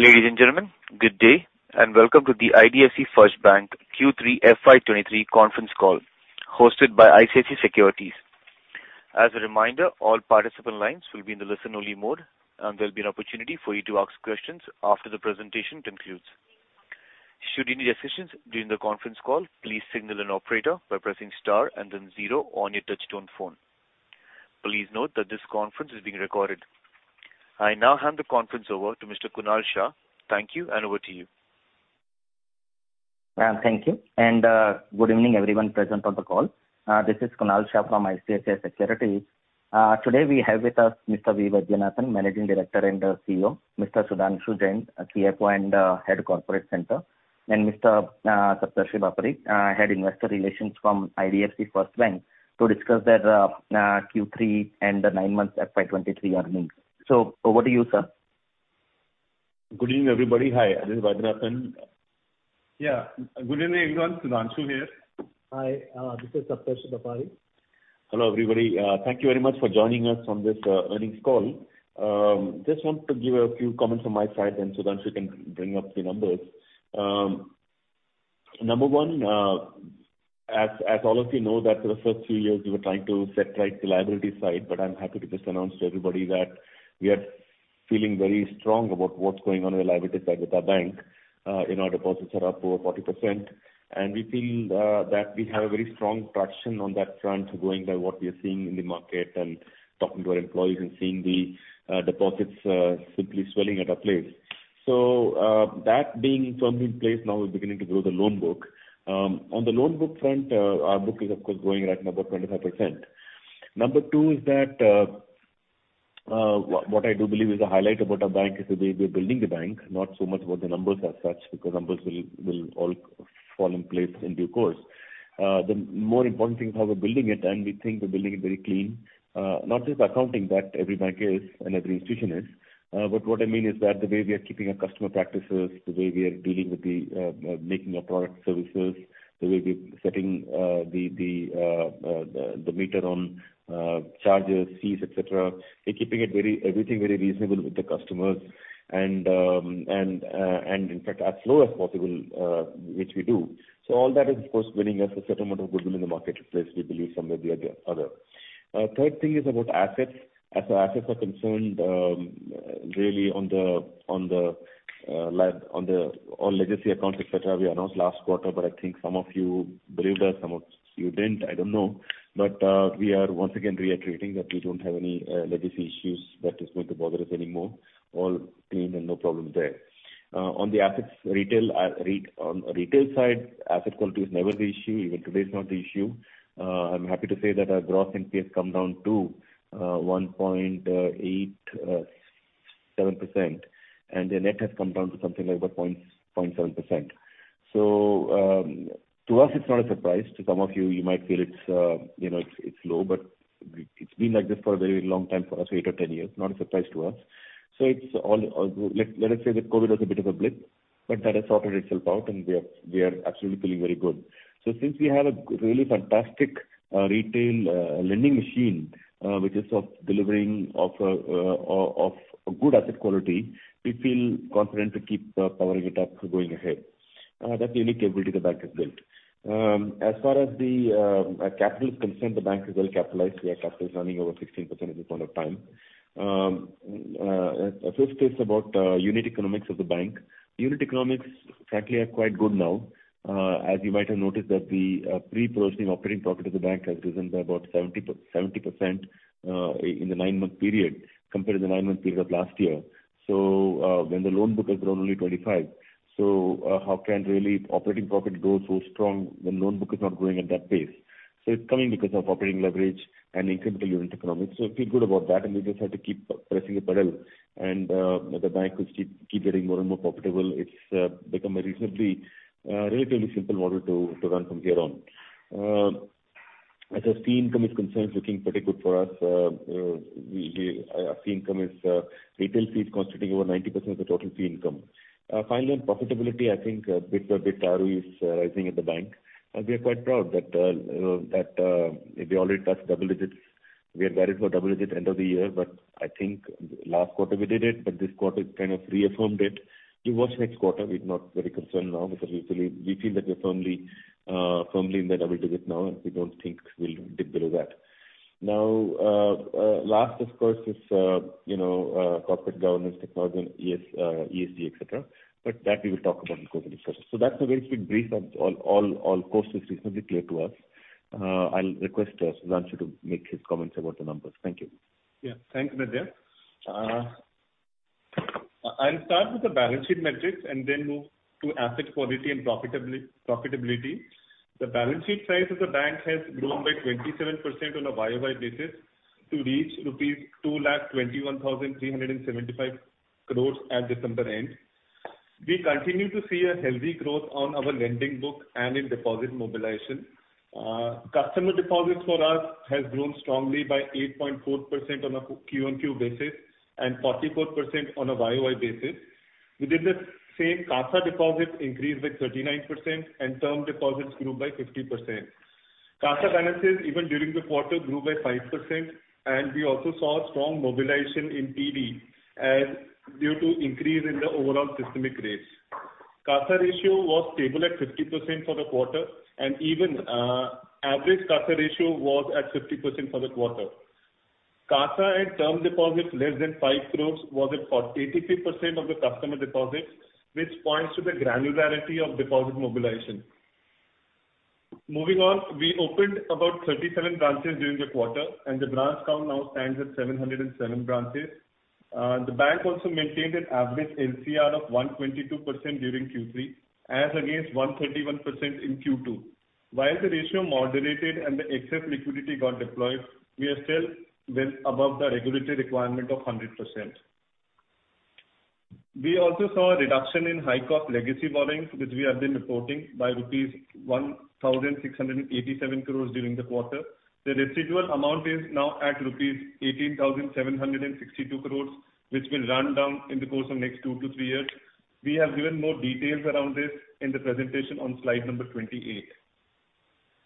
Ladies and gentlemen, good day, and welcome to the IDFC First Bank Q3 FY23 Conference Call hosted by ICICI Securities. As a reminder, all participant lines will be in the listen-only mode, and there'll be an opportunity for you to ask questions after the presentation concludes. Should you need assistance during the conference call, please signal an operator by pressing star and then zero on your touchtone phone. Please note that this conference is being recorded. I now hand the conference over to Mr. Kunal Shah. Thank you, and over to you. Thank you, and good evening everyone present on the call. This is Kunal Shah from ICICI Securities. Today we have with us Mr. V. Vaidyanathan, Managing Director and CEO; Mr. Sudhanshu Jain, CFO and Head of Corporate Center; and Mr. Saptarshi Bapari, Head Investor Relations from IDFC First Bank to discuss their Q3 and the nine-month FY 23 earnings. Over to you, sir. Good evening, everybody. Hi, this is Vaidyanathan. Yeah. Good evening, everyone. Sudhanshu here. Hi, this is Saptarshi Bapari. Hello, everybody. Thank you very much for joining us on this earnings call. Just want to give a few comments from my side. Sudhanshu can bring up the numbers. Number one, as all of you know, that for the first few years we were trying to set right the liability side. I'm happy to just announce to everybody that we are feeling very strong about what's going on in the liability side with our bank. You know, deposits are up over 40%. We feel that we have a very strong traction on that front going by what we are seeing in the market and talking to our employees and seeing the deposits simply swelling at our place. That being firmly in place now we're beginning to grow the loan book. On the loan book front, our book is, of course, growing right now about 25%. Number two is that, what I do believe is a highlight about our bank is the way we are building the bank, not so much about the numbers as such because numbers will all fall in place in due course. The more important thing is how we're building it, and we think we're building it very clean. Not just accounting that every bank is and every institution is, but what I mean is that the way we are keeping our customer practices, the way we are dealing with the making our product services, the way we're setting the, the meter on charges, fees, et cetera. We're keeping it very, everything very reasonable with the customers and in fact, as low as possible, which we do. All that is of course winning us a certain amount of goodwill in the marketplace, we believe some way or the other. Third thing is about assets. As the assets are concerned, really on the, on the, on legacy accounts, et cetera, we announced last quarter, but I think some of you believed us, some of you didn't, I don't know. We are once again reiterating that we don't have any legacy issues that is going to bother us anymore. All clean and no problems there. On the assets retail, on retail side, asset quality is never the issue. Even today it's not the issue. I'm happy to say that our gross NPA has come down to 1.87%, and the net has come down to something like about 0.7%. To us it's not a surprise. To some of you might feel it's, you know, it's low, but it's been like this for a very long time for us, eight or ten years. Not a surprise to us. It's all, let us say that COVID was a bit of a blip, but that has sorted itself out and we are absolutely feeling very good. Since we have a really fantastic retail lending machine, which is of delivering of a good asset quality, we feel confident to keep powering it up going ahead. That's the unique ability the bank has built. As far as the capital is concerned, the bank is well capitalized. We have capital running over 16% at this point of time. Fifth is about unit economics of the bank. Unit economics frankly are quite good now. As you might have noticed that the pre-provisioning operating profit of the bank has risen by about 70% in the nine-month period compared to the nine-month period of last year. When the loan book has grown only 25, how can really operating profit grow so strong when loan book is not growing at that pace? It's coming because of operating leverage and incremental unit economics. We feel good about that, and we just have to keep pressing the pedal and the bank will keep getting more and more profitable. It's become a reasonably relatively simple model to run from here on. As our fee income is concerned, it's looking pretty good for us. Our fee income is retail fees constituting over 90% of the total fee income. Finally, on profitability, I think bit by bit ROE is rising at the bank. We are quite proud that we already touched double digits. We had varied for double digit end of the year, I think last quarter we did it, this quarter kind of reaffirmed it. We watch next quarter. We're not very concerned now because we feel that we're firmly in the double digits now. We don't think we'll dip below that. Last of course is, you know, corporate governance, technology, ESG, et cetera. That we will talk about in course of discussion. That's a very quick brief of all courses reasonably clear to us. I'll request Sudhanshu to make his comments about the numbers. Thank you. Thanks, Vaidya. I'll start with the balance sheet metrics and then move to asset quality and profitability. The balance sheet size of the bank has grown by 27% on a year-over-year basis to reach rupees 2,21,375 crore at December-end. We continue to see a healthy growth on our lending book and in deposit mobilization. Customer deposits for us has grown strongly by 8.4% on a QOQ basis and 44% on a year-over-year basis. Within the same, CASA deposits increased by 39% and term deposits grew by 50%. CASA balances even during the quarter grew by 5%. We also saw strong mobilization in TD as due to increase in the overall systemic rates. CASA ratio was stable at 50% for the quarter and even, average CASA ratio was at 50% for the quarter. CASA and term deposits less than 5 crore was about 83% of the customer deposits, which points to the granularity of deposit mobilization. Moving on, we opened about 37 branches during the quarter, and the branch count now stands at 707 branches. The bank also maintained an average LCR of 122% during Q3 as against 131% in Q2. While the ratio moderated and the excess liquidity got deployed, we are still well above the regulatory requirement of 100%. We also saw a reduction in high cost legacy borrowings, which we have been reporting, by rupees 1,687 crore during the quarter. The residual amount is now at rupees 18,762 crores, which will run down in the course of next 2-3 years. We have given more details around this in the presentation on slide number 28.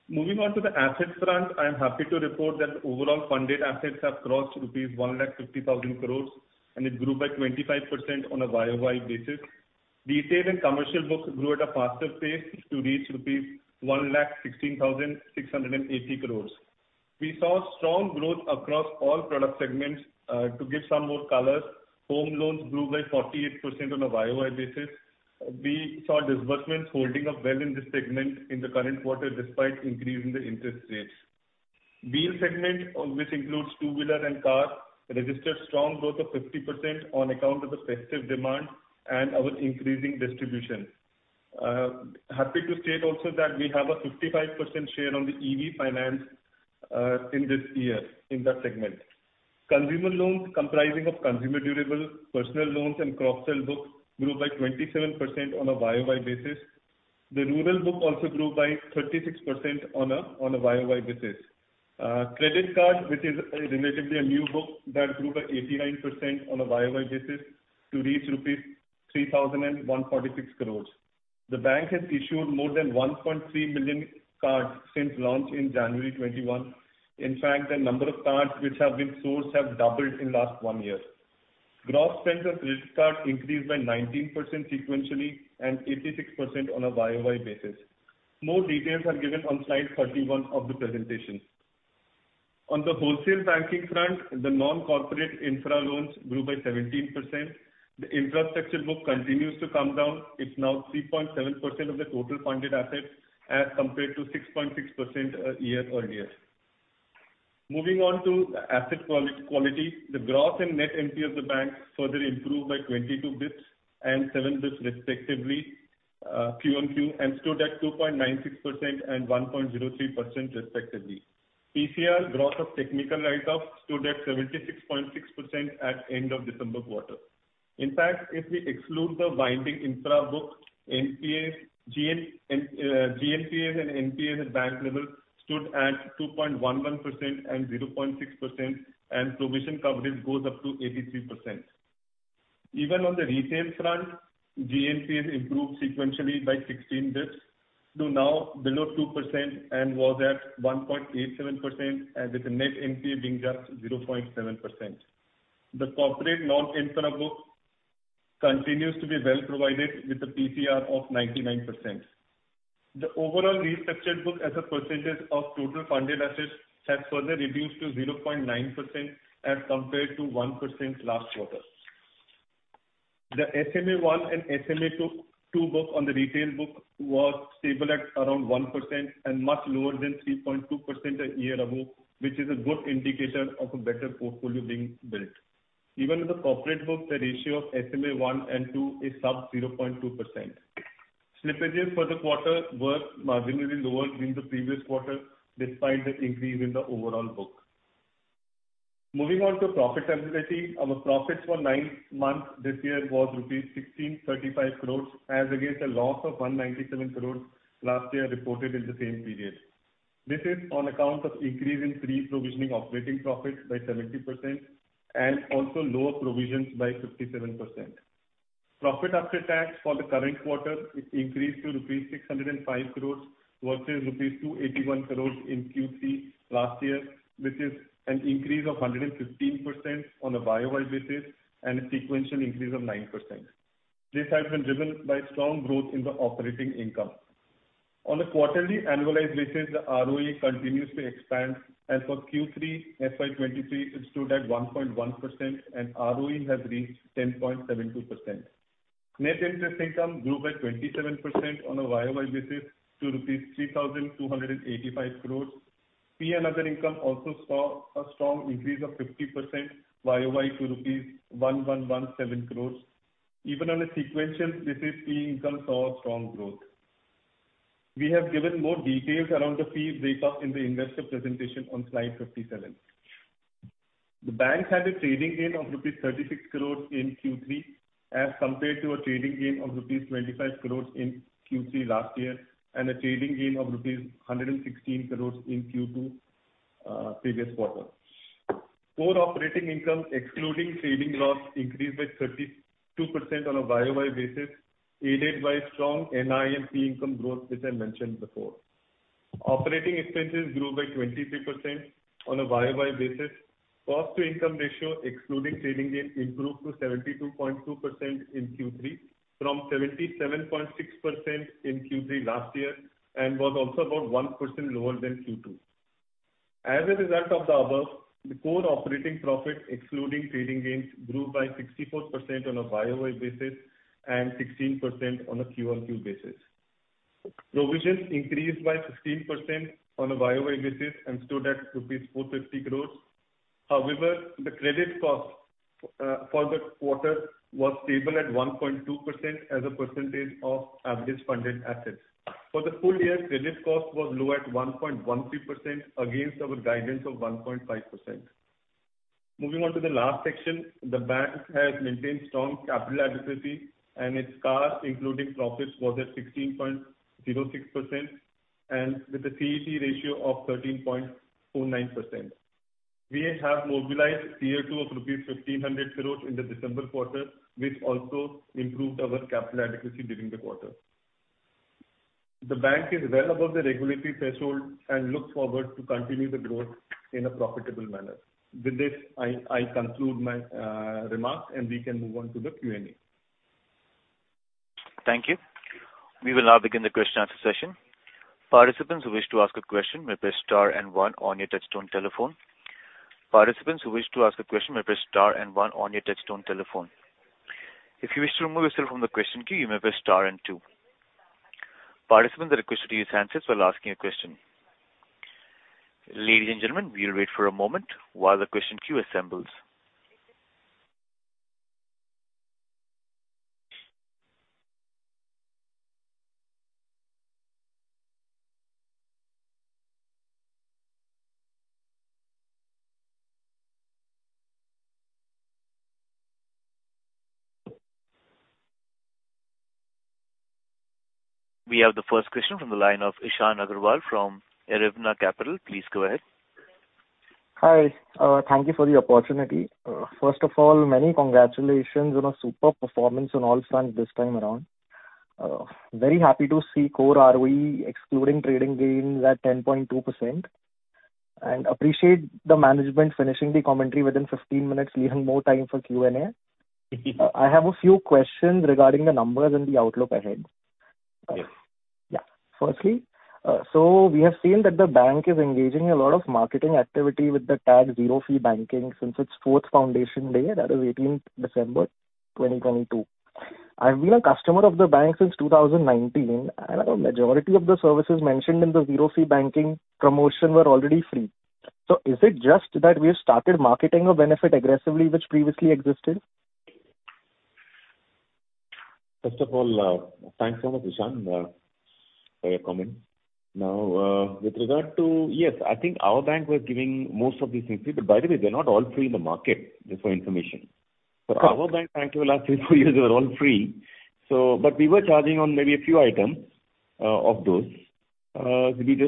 Moving on to the assets front, I am happy to report that overall funded assets have crossed rupees 150,000 crores, and it grew by 25% on a YoY basis. The retail and commercial book grew at a faster pace to reach rupees 116,680 crores. We saw strong growth across all product segments. To give some more color, home loans grew by 48% on a YoY basis. We saw disbursements holding up well in this segment in the current quarter despite increase in the interest rates. Wheel segment, which includes two-wheeler and car, registered strong growth of 50% on account of the festive demand and our increasing distribution. Happy to state also that we have a 55% share on the EV finance in this year in that segment. Consumer loans comprising of consumer durable, personal loans and cross-sell books grew by 27% on a YoY basis. The rural book also grew by 36% on a YoY basis. Credit card, which is relatively a new book that grew by 89% on a YoY basis to reach rupees 3,146 crores. The bank has issued more than 1.3 million cards since launch in January 2021. The number of cards which have been sourced have doubled in last one year. Gross spend on credit card increased by 19% sequentially and 86% on a YoY basis. More details are given on slide 31 of the presentation. On the wholesale banking front, the non-corporate infra loans grew by 17%. The infrastructure book continues to come down. It's now 3.7% of the total funded assets as compared to 6.6% a year earlier. Moving on to asset quality. The gross and net NPA of the bank further improved by 22 basis points and 7 basis points respectively, QOQ, and stood at 2.96% and 1.03% respectively. PCR gross of technical write-off stood at 76.6% at end of December quarter. If we exclude the binding infra book, NPAs, GNPA and NPAs at bank level stood at 2.11% and 0.6%, and provision coverage goes up to 83%. Even on the retail front, GNPA has improved sequentially by 16 bps to now below 2% and was at 1.87%, with the net NPA being just 0.7%. The corporate non-infra book continues to be well provided with a PCR of 99%. The overall restructured book as a percentage of total funded assets has further reduced to 0.9% as compared to 1% last quarter. The SMA-1 and SMA-2 book on the retail book was stable at around 1% and much lower than 3.2% a year ago, which is a good indicator of a better portfolio being built. Even in the corporate book, the ratio of SMA-1 and SMA-2 is sub 0.2%. Slippages for the quarter were marginally lower than the previous quarter despite the increase in the overall book. Moving on to profit sensibility. Our profits for nine months this year was rupees 1,635 crores, as against a loss of 197 crores last year reported in the same period. This is on account of increase in pre-provisioning operating profits by 70% and also lower provisions by 57%. Profit after tax for the current quarter is increased to rupees 605 crores versus rupees 281 crores in Q3 last year, which is an increase of 115% on a YoY basis and a sequential increase of 9%. This has been driven by strong growth in the operating income. On a quarterly annualized basis, the ROE continues to expand. As of Q3 FY23, it stood at 1.1% and ROE has reached 10.72%. Net interest income grew by 27% on a YoY basis to rupees 3,285 crores. Fee and other income also saw a strong increase of 50% YoY to rupees 1,117 crores. Even on a sequential basis, fee income saw strong growth. We have given more details around the fees breakup in the investor presentation on slide 57. The bank had a trading gain of rupees 36 crores in Q3 as compared to a trading gain of rupees 25 crores in Q3 last year, and a trading gain of rupees 116 crores in Q2, previous quarter. Core operating income, excluding trading loss, increased by 32% on a YoY basis, aided by strong NIM income growth, as I mentioned before. Operating expenses grew by 23% on a YoY basis. Cost-to-income ratio, excluding trading gains, improved to 72.2% in Q3 from 77.6% in Q3 last year and was also about 1% lower than Q2. As a result of the above, the core operating profit, excluding trading gains, grew by 64% on a YoY basis and 16% on a Q-on-Q basis. Provisions increased by 16% on a YoY basis and stood at rupees 450 crores. The credit cost for the quarter was stable at 1.2% as a percentage of average funded assets. For the full year, credit cost was low at 1.13% against our guidance of 1.5%. Moving on to the last section, the bank has maintained strong capital adequacy, and its CAR, including profits, was at 16.06% and with a CET ratio of 13.49%. We have mobilized Tier 2 of rupees 1,500 crores in the December quarter, which also improved our capital adequacy during the quarter. The bank is well above the regulatory threshold and looks forward to continue the growth in a profitable manner. With this, I conclude my remarks, and we can move on to the Q&A. Thank you. We will now begin the question answer session. Participants who wish to ask a question may press star one on your touch-tone telephone. Participants who wish to ask a question may press star one on your touch-tone telephone. If you wish to remove yourself from the question queue, you may press star two. Participants are requested to use answers while asking a question. Ladies and gentlemen, we'll wait for a moment while the question queue assembles. We have the first question from the line of Ishan Agarwal from Abeona Capital. Please go ahead. Hi, thank you for the opportunity. First of all, many congratulations on a superb performance on all fronts this time around. Very happy to see core ROE excluding trading gains at 10.2% and appreciate the management finishing the commentary within 15 minutes, leaving more time for Q&A. I have a few questions regarding the numbers and the outlook ahead. Yes. Yeah. Firstly, we have seen that the bank is engaging a lot of marketing activity with the tag Zero Fee Banking since its fourth foundation day, that is 18th December 2022. I've been a customer of the bank since 2019, a majority of the services mentioned in the Zero Fee Banking promotion were already free. Is it just that we have started marketing a benefit aggressively which previously existed? First of all, thanks so much, Ishan, for your comment. With regard to, yes, I think our bank was giving most of these things free. By the way, they're not all free in the market, just for your information. Sure. Our bank, thanks to the last three, four years, they were all free. We were charging on maybe a few items of those. We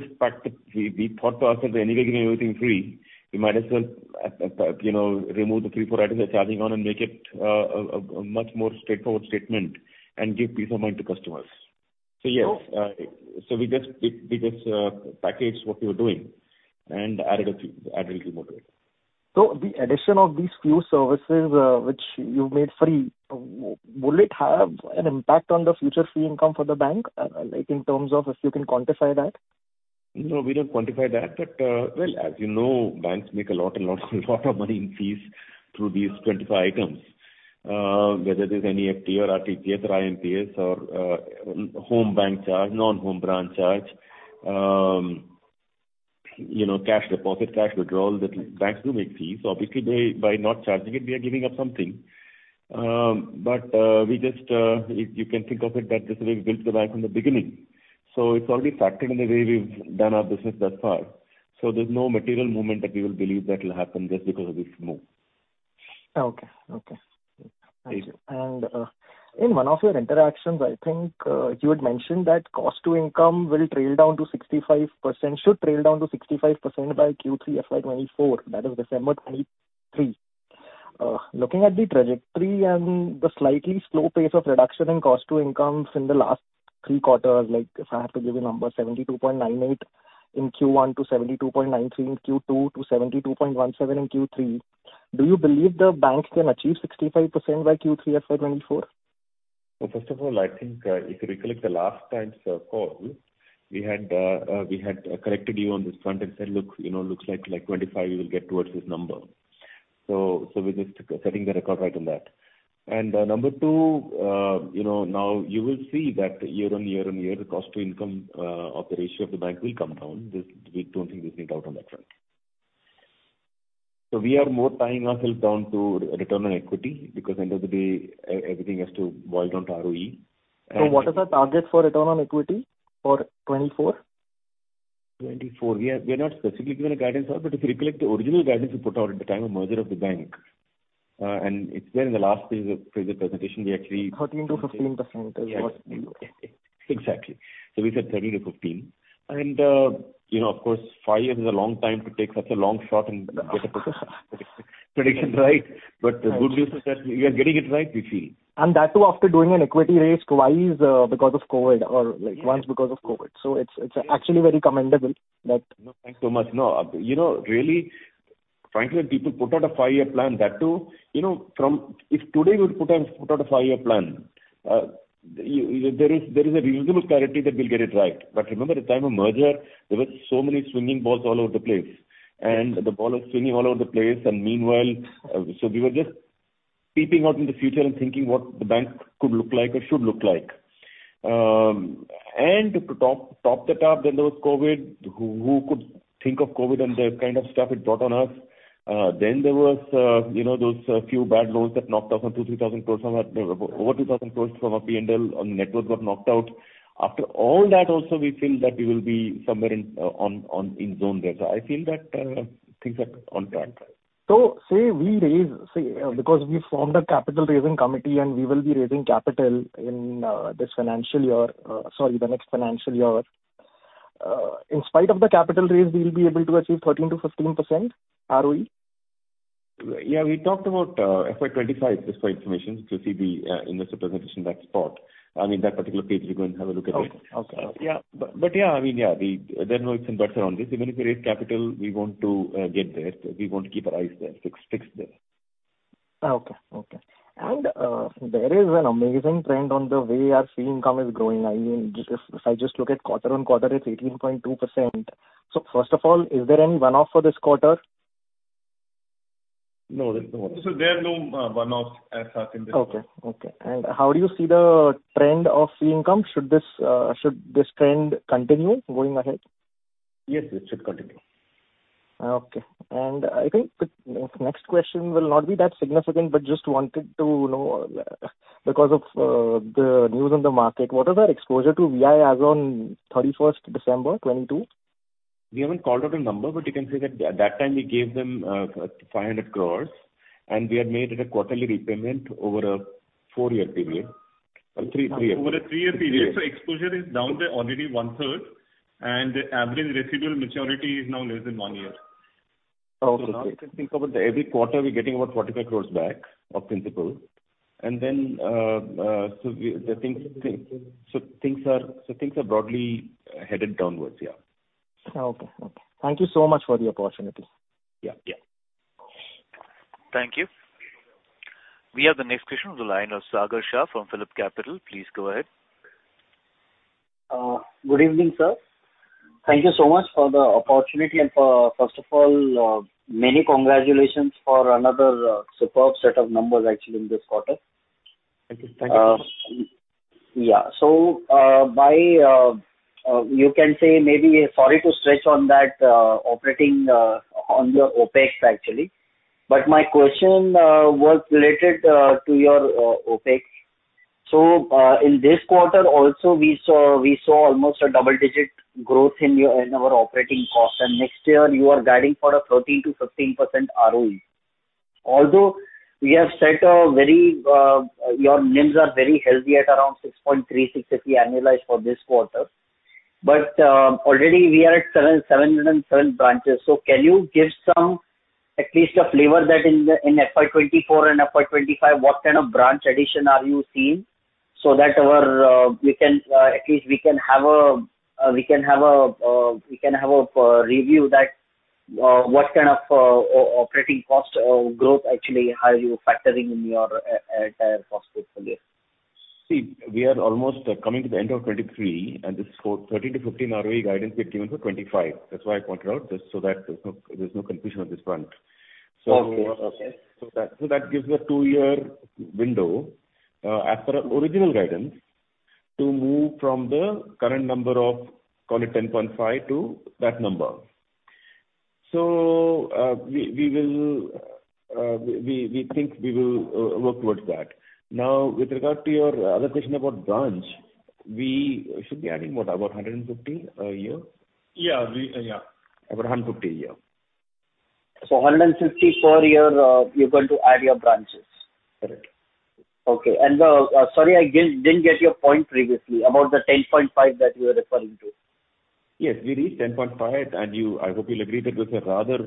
thought to ourselves that anyway giving everything free, we might as well, you know, remove the three, four items we're charging on and make it a much more straightforward statement and give peace of mind to customers. Yes. Sure. We just packaged what we were doing and added a few more to it. The addition of these few services, which you made free, will it have an impact on the future fee income for the bank, like in terms of if you can quantify that? No, we don't quantify that. Well, as you know, banks make a lot of money in fees through these 25 items. Whether it is NEFT or RTGS or IMPS or home bank charge, non-home branch charge, you know, cash deposit, cash withdrawal, the banks do make fees. Obviously they, by not charging it, we are giving up something. We just, you can think of it that this is how we built the bank from the beginning, so it's already factored in the way we've done our business thus far. There's no material movement that we will believe that will happen just because of this move. Okay. Okay. Thank you. In one of your interactions, I think, you had mentioned that cost to income will trail down to 65%, should trail down to 65% by Q3 FY24, that is December 2023. Looking at the trajectory and the slightly slow pace of reduction in cost to income from the last three quarters, like if I have to give you a number, 72.98 in Q1, to 72.93 in Q2, to 72.17 in Q3, do you believe the bank can achieve 65% by Q3 FY24? Well, first of all, I think, if you recollect the last time's call, we had corrected you on this front and said, look, you know, looks like 25 you will get towards this number. We're just setting the record right on that. Number two, you know, now you will see that year-on-year on year, the cost to income, or the ratio of the bank will come down. This, we don't think this need doubt on that front. We are more tying ourself down to return on equity because end of the day, everything has to boil down to ROE. What is our target for return on equity for 2024? 2024. We have not specifically given a guidance on, but if you recollect the original guidance we put out at the time of merger of the bank, and it's there in the last page of the presentation. We actually. 13%-5% is what you... Yes. Exactly. We said 13-15. You know, of course, five years is a long time to take such a long shot and get the prediction right. Good news is that we are getting it right, we feel. That too after doing an equity raise twice, because of COVID or like once because of COVID. It's actually very commendable that... Thanks so much. You know, really, frankly, when people put out a five-year plan, that too, you know, from... If today you would put out, put out a five-year plan, there is a reasonable clarity that we'll get it right. Remember at the time of merger, there were so many swinging balls all over the place. The ball is swinging all over the place and meanwhile... We were just peeping out in the future and thinking what the bank could look like or should look like. To top that up, there was COVID. Who, who could think of COVID and the kind of stuff it brought on us? Then there was, you know, those few bad loans that knocked off some 2,000 crores-3,000 crores from our... Over 2,000 crores from our P&L on network got knocked out. After all that also, we feel that we will be somewhere in zone there. I feel that things are on track. Say we raise, because we formed a capital raising committee and we will be raising capital in, this financial year, sorry, the next financial year. In spite of the capital raise, we'll be able to achieve 13%-15% ROE? Yeah. We talked about FY 2025 just for information. You'll see the in this presentation that spot. I mean, that particular page, you can have a look at it. Okay. Okay. Yeah. Yeah, I mean, yeah. There are no ifs and buts around this. Even if we raise capital, we want to get there. We want to keep our eyes there, fixed there. Okay. Okay. There is an amazing trend on the way our fee income is growing. I mean, if I just look at quarter-over-quarter, it's 18.2%. First of all, is there any one-off for this quarter? No, there's no one. Sir, there are no, one-offs as such in this. Okay. How do you see the trend of fee income? Should this trend continue going ahead? Yes, it should continue. Okay. I think the next question will not be that significant, but just wanted to know, because of the news on the market. What was our exposure to VI as on thirty-first December 2022? We haven't called out a number, but you can say that at that time we gave them, 500 crores and we had made it a quarterly repayment over a four-year period three year. Over a three-year period. Exposure is down by already one-third and the average residual maturity is now less than one year. Okay. Now if you think about every quarter, we're getting about 45 crores back of principal. Then, things are broadly headed downwards, yeah. Okay. Thank you so much for the opportunity. Yeah. Yeah. Thank you. We have the next question on the line of Sagar Shah from PhillipCapital. Please go ahead. Good evening, sir. Thank you so much for the opportunity. First of all, many congratulations for another, superb set of numbers actually in this quarter. Thank you. Thank you. Yeah. By, you can say maybe sorry to stretch on that, operating on your OpEx actually. My question was related to your OpEx. In this quarter also, we saw almost a double-digit growth in your, in our operating cost. Next year you are guiding for a 13%-15% ROE. Although we have set a very, your NIMs are very healthy at around 6.36 if we annualize for this quarter. Already we are at 707 branches. Can you give some, at least a flavor that in the, in FY 2024 and FY 2025, what kind of branch addition are you seeing so that our, we can at least we can have a review that, what kind of operating cost or growth actually are you factoring in your entire cost base for this? See, we are almost coming to the end of 2023. This for 13%-15% ROE guidance we had given for 2025. That's why I pointed out just so that there's no confusion on this front. Okay. Okay. That gives a two-year window as per our original guidance to move from the current number of, call it 10.5 to that number. We will, we think we will work towards that. With regard to your other question about branch, we should be adding what, about 150 a year? Yeah. We, yeah. About INR 150 a year. 150 per year, you're going to add your branches? Correct. Okay. sorry, I didn't get your point previously about the 10.5 that you were referring to. Yes. We reached 10.5 and you, I hope you'll agree that it was a rather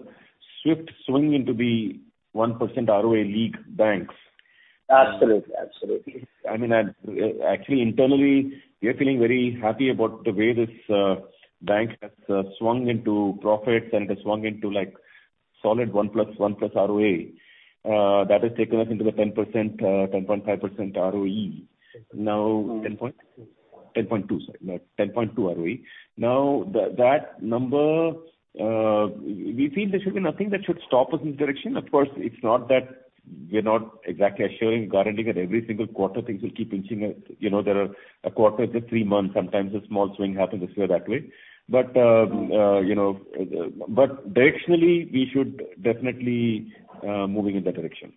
swift swing into the 1% ROA league banks. Absolutely. Absolutely. I mean, actually internally, we are feeling very happy about the way this bank has swung into profits and has swung into like solid 1+, 1+ ROA. That has taken us into the 10%, 10.5% ROE. Now 10 point? 10.2. 10.2, sorry. 10.2 ROE. That number, we feel there should be nothing that should stop us in this direction. Of course, it's not that we're not exactly assuring, guaranteeing that every single quarter things will keep inching, you know, there are. A quarter is a three month. Sometimes a small swing happens this way or that way. You know, directionally, we should definitely moving in that direction.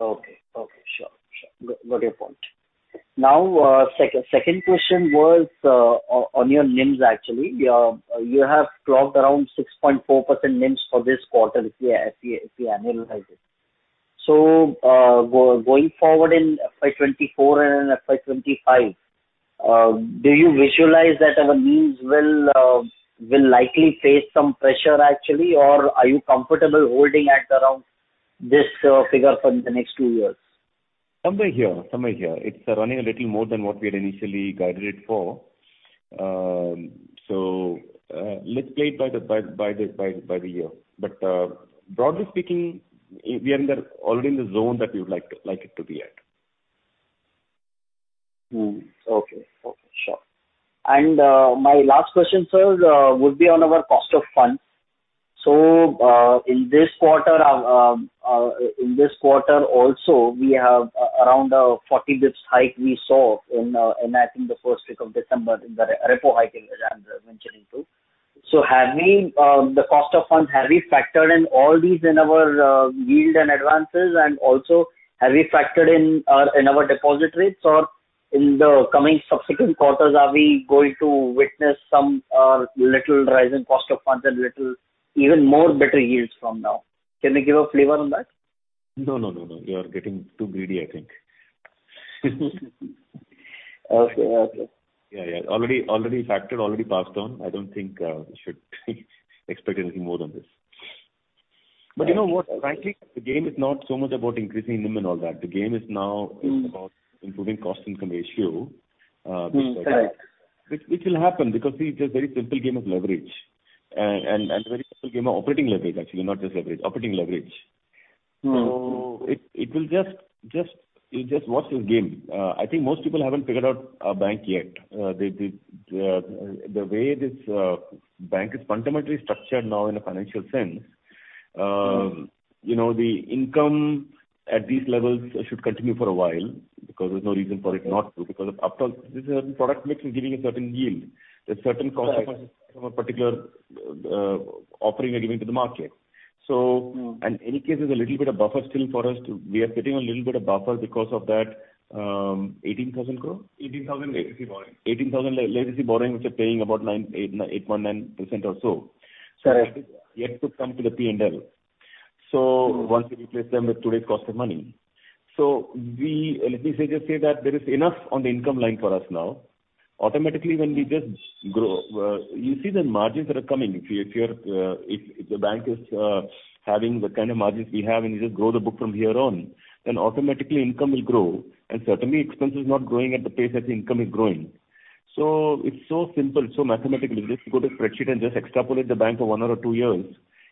Okay, okay. Sure, sure. Got your point. Second question was on your NIMs actually. You have clocked around 6.4% NIMs for this quarter if we analyze it. Going forward in FY 2024 and in FY 2025, do you visualize that our NIMs will likely face some pressure actually? Or are you comfortable holding at around this figure for the next two years? Somewhere here. It's running a little more than what we had initially guided it for. Let's play it by the year. Broadly speaking, we are already in the zone that we would like it to be at. Okay. Sure. My last question, sir, is would be on our cost of funds. In this quarter, in this quarter also, we have around 40 basis points hike we saw in, I think, the first week of December in the repo hiking that I'm mentioning to. Have we, the cost of funds, have we factored in all these in our yield and advances? Also, have we factored in in our deposit rates? In the coming subsequent quarters, are we going to witness some little rise in cost of funds and little even more better yields from now? Can you give a flavor on that? No, no, no. You are getting too greedy, I think. Okay. Okay. Yeah, yeah. Already factored, already passed on. I don't think we should expect anything more than this. You know what? Frankly, the game is not so much about increasing NIM and all that. The game is now. Mm. -is about improving cost-income ratio, which- Mm. Right. Which will happen because, see, it's a very simple game of leverage. Very simple game of operating leverage, actually, not just leverage. Operating leverage. Mm. It will just, you just watch this game. I think most people haven't figured out our bank yet. The way this bank is fundamentally structured now in a financial sense. Mm. you know, the income at these levels should continue for a while because there's no reason for it not to. After all, this is a product mix is giving a certain yield. There's certain. Right. from a particular offering we are giving to the market. Mm. any case, there's a little bit of buffer still for us to. We are sitting on a little bit of buffer because of that, 18,000 crore? 18,000 legacy borrowing. 18,000 legacy borrowing, which are paying about 8.9% or so. Sure. Yet to come to the P&L. Once we replace them with today's cost of money. We, let me say, just say that there is enough on the income line for us now. Automatically, when we just grow, you see the margins that are coming. If you're, if the bank is having the kind of margins we have, and you just grow the book from here on, then automatically income will grow. Certainly expense is not growing at the pace that the income is growing. It's so simple, it's so mathematical. You just put a spreadsheet and just extrapolate the bank for one or two years,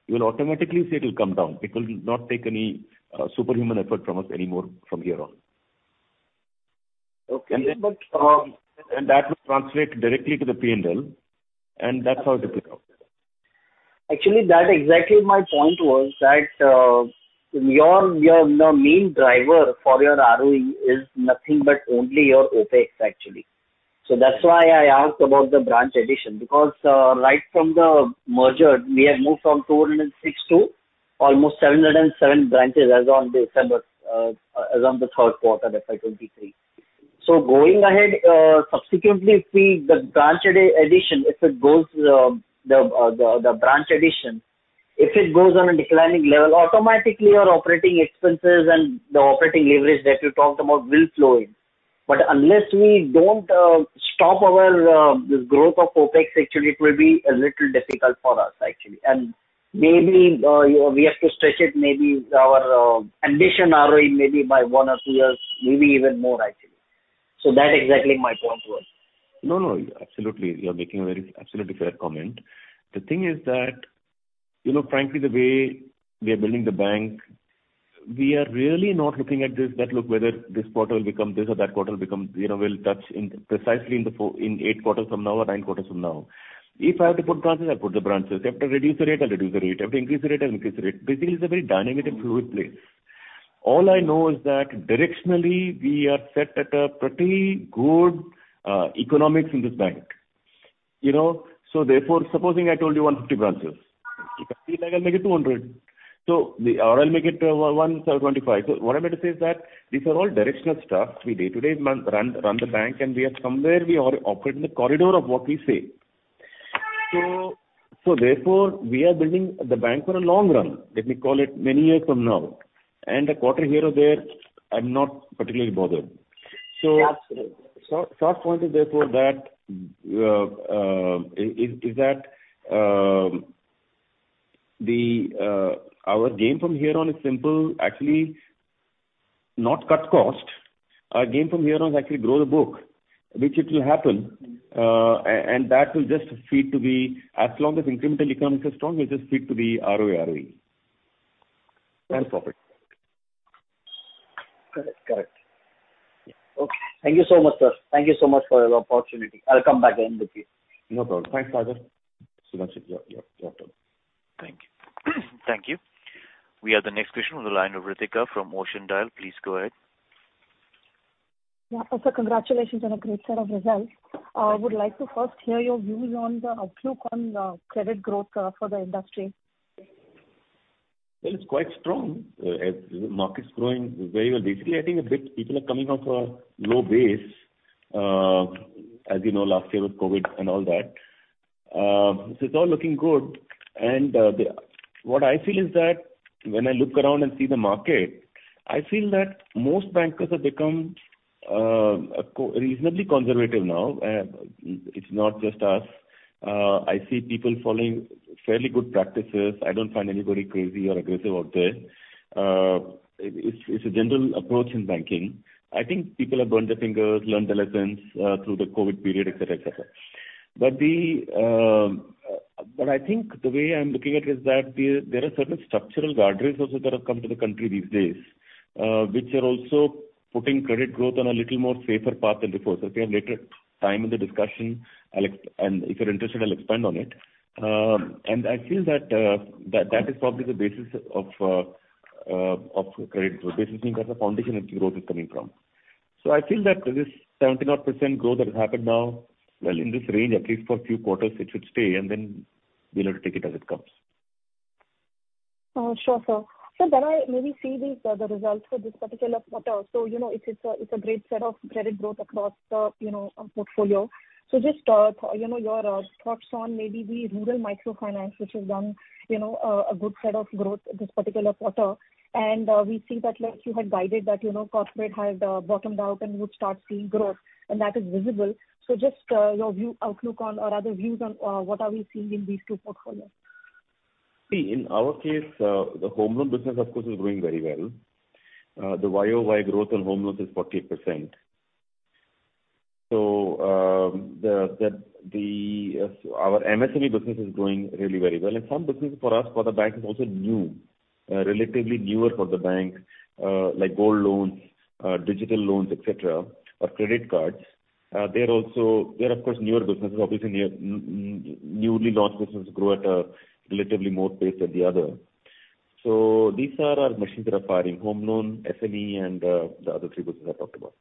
you will automatically see it will come down. It will not take any superhuman effort from us anymore from here on. Okay. That will translate directly to the P&L, and that's how it will play out. That exactly my point was that, your main driver for your ROE is nothing but only your OpEx actually. That's why I asked about the branch addition. Right from the merger, we have moved from 206 to almost 707 branches as on December, as on the third quarter FY 2023. Going ahead, subsequently if we, the branch addition, if it goes, the branch addition, if it goes on a declining level, automatically your operating expenses and the operating leverage that you talked about will flow in. Unless we don't stop our this growth of OpEx, actually it will be a little difficult for us actually. Maybe we have to stretch it, maybe our ambition ROE maybe by one or two years, maybe even more actually. That exactly my point was. No, no. Absolutely. You're making a very absolutely fair comment. The thing is that, you know, frankly, the way we are building the bank, we are really not looking at this, that look whether this quarter will become this or that quarter will become, you know, we'll touch in precisely in the four, in eight quarters from now or nine quarters from now. If I have to put branches, I'll put the branches. If I have to reduce the rate, I'll reduce the rate. If I have to increase the rate, I'll increase the rate. Basically, it's a very dynamic and fluid place. All I know is that directionally we are set at a pretty good economics in this bank. You know? Supposing I told you 150 branches, you can see like I'll make it 200 or I'll make it 125. What I meant to say is that these are all directional stuff. We day-to-day run the bank and we are somewhere we are operating in the corridor of what we say. Therefore, we are building the bank for a long run. Let me call it many years from now. A quarter here or there, I'm not particularly bothered. Absolutely. Short point is therefore that our game from here on is simple, actually not cut cost. Our game from here on is actually grow the book, which it will happen. That will just feed to the, as long as incremental income is strong, it will just feed to the ROE and profit. Correct. Okay. Thank you so much, sir. Thank you so much for your opportunity. I'll come back again with you. No problem. Thanks, Sagar. Suman, your turn. Thank you. Thank you. We have the next question on the line of Ritika from Ocean Dial. Please go ahead. Yeah. Also congratulations on a great set of results. Would like to first hear your views on the outlook on credit growth for the industry. Well, it's quite strong. As the market's growing very well. Basically, I think a bit people are coming off a low base, as you know, last year with COVID and all that. It's all looking good. What I feel is that when I look around and see the market, I feel that most bankers have become, reasonably conservative now. It's not just us. I see people following fairly good practices. I don't find anybody crazy or aggressive out there. It's, it's a general approach in banking. I think people have burned their fingers, learned their lessons, through the COVID period, et cetera, et cetera. The way I'm looking at it is that there are certain structural guardrails also that have come to the country these days, which are also putting credit growth on a little more safer path than before. If we have later time in the discussion, and if you're interested, I'll expand on it. I feel that that is probably the basis of credit growth. Basically, that's the foundation that growth is coming from. I feel that this 70% odd growth that has happened now, in this range, at least for a few quarters, it should stay and we'll take it as it comes. Sure, sir. Can I maybe see these the results for this particular quarter? You know, it is a, it's a great set of credit growth across the, you know, portfolio. Just, you know, your thoughts on maybe the rural microfinance which has done, you know, a good set of growth this particular quarter. We see that like you had guided that, you know, corporate has bottomed out and would start seeing growth and that is visible. Just your view, outlook on or other views on what are we seeing in these two portfolios? See, in our case, the home loan business of course is doing very well. The YoY growth in home loans is 40%. Our MSME business is doing really very well. Some businesses for us, for the bank is also new, relatively newer for the bank, like gold loans, digital loans, et cetera, or credit cards. They're also, they're of course newer businesses. Obviously newly launched businesses grow at a relatively more pace than the other. These are our machines that are firing home loan, SME and, the other three businesses I talked about.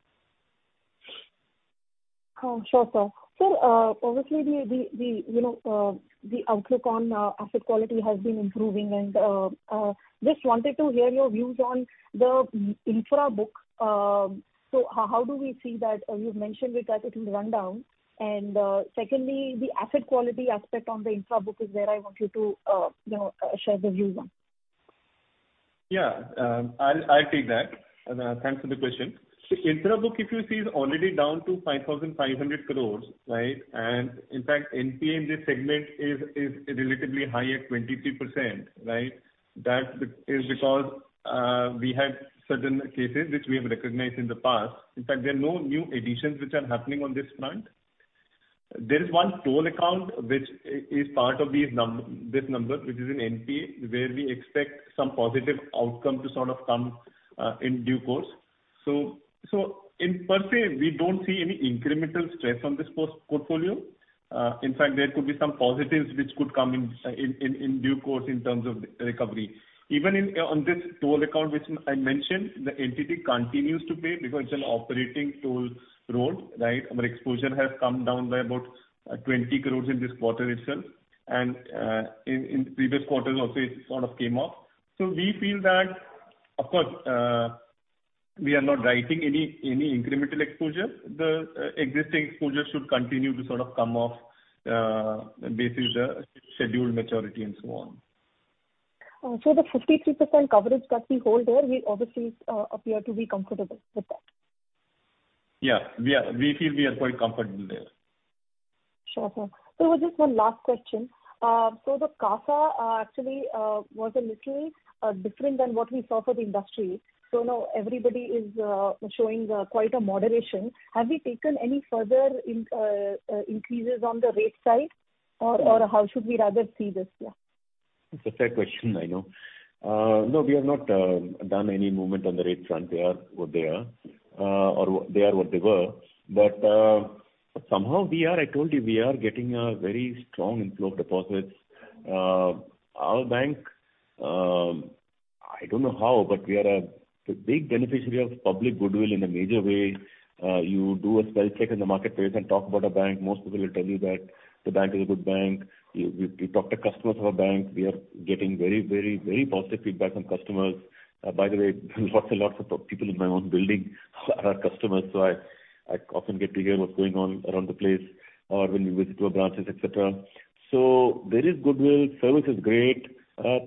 Oh, sure sir. Sir, obviously the, you know, the outlook on asset quality has been improving, and just wanted to hear your views on the infra book. How do we see that? You've mentioned it that it will run down. Secondly, the asset quality aspect on the infra book is where I want you to, you know, share the views on. Yeah. I'll take that. Thanks for the question. Infra book, if you see, is already down to 5,500 crores, right? In fact, NPA in this segment is relatively high at 23%, right? That is because we had certain cases which we have recognized in the past. In fact, there are no new additions which are happening on this front. There is one toll account which is part of this number, which is in NPA, where we expect some positive outcome to sort of come in due course. In per se, we don't see any incremental stress on this portfolio. In fact, there could be some positives which could come in due course in terms of recovery. Even in, on this toll account which I mentioned, the entity continues to pay because it's an operating toll road, right? Our exposure has come down by about, 20 crores in this quarter itself. In previous quarters also it sort of came off. We feel that of course, we are not writing any incremental exposure. The existing exposure should continue to sort of come off, basis, scheduled maturity and so on. The 53% coverage that we hold there, we obviously appear to be comfortable with that? Yeah, we are. We feel we are quite comfortable there. Sure, sir. Just one last question. The CASA actually was a little different than what we saw for the industry. Now everybody is showing quite a moderation. Have we taken any further increases on the rate side? Or how should we rather see this play out? It's a fair question, I know. No, we have not done any movement on the rate front. They are what they are. Or they are what they were. Somehow we are, I told you, we are getting a very strong inflow of deposits. Our bank, I don't know how, but we are a, the big beneficiary of public goodwill in a major way. You do a spell check in the marketplace and talk about a bank, most people will tell you that the bank is a good bank. You talk to customers of our bank, we are getting very positive feedback from customers. By the way, lots and lots of people in my own building are our customers, so I often get to hear what's going on around the place or when we visit our branches, et cetera. Service is great.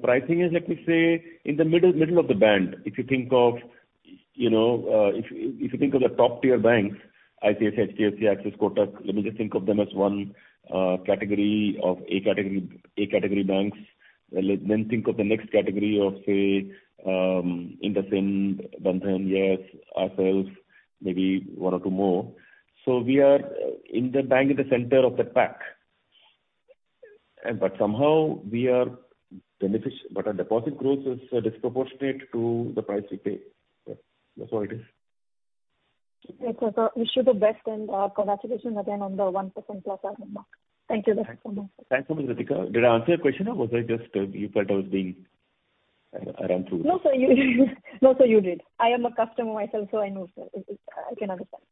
Pricing is, let me say, in the middle of the band. If you think of, you know, if you think of the top-tier banks, ICICI, HDFC, Axis, Kotak, let me just think of them as one category of A category banks. Think of the next category of, say, IndusInd, Bandhan, Yes, ourselves, maybe one or two more. We are in the bank at the center of the pack. Somehow we are But our deposit growth is disproportionate to the price we pay. Yeah. That's all it is. Okay. Wish you the best and congratulations again on the 1%+ ROA mark. Thank you very much. Thanks so much, Ritika. Did I answer your question or was I just, you felt I was being? No, sir, you did. No, sir, you did. I am a customer myself, so I know, sir. I can understand.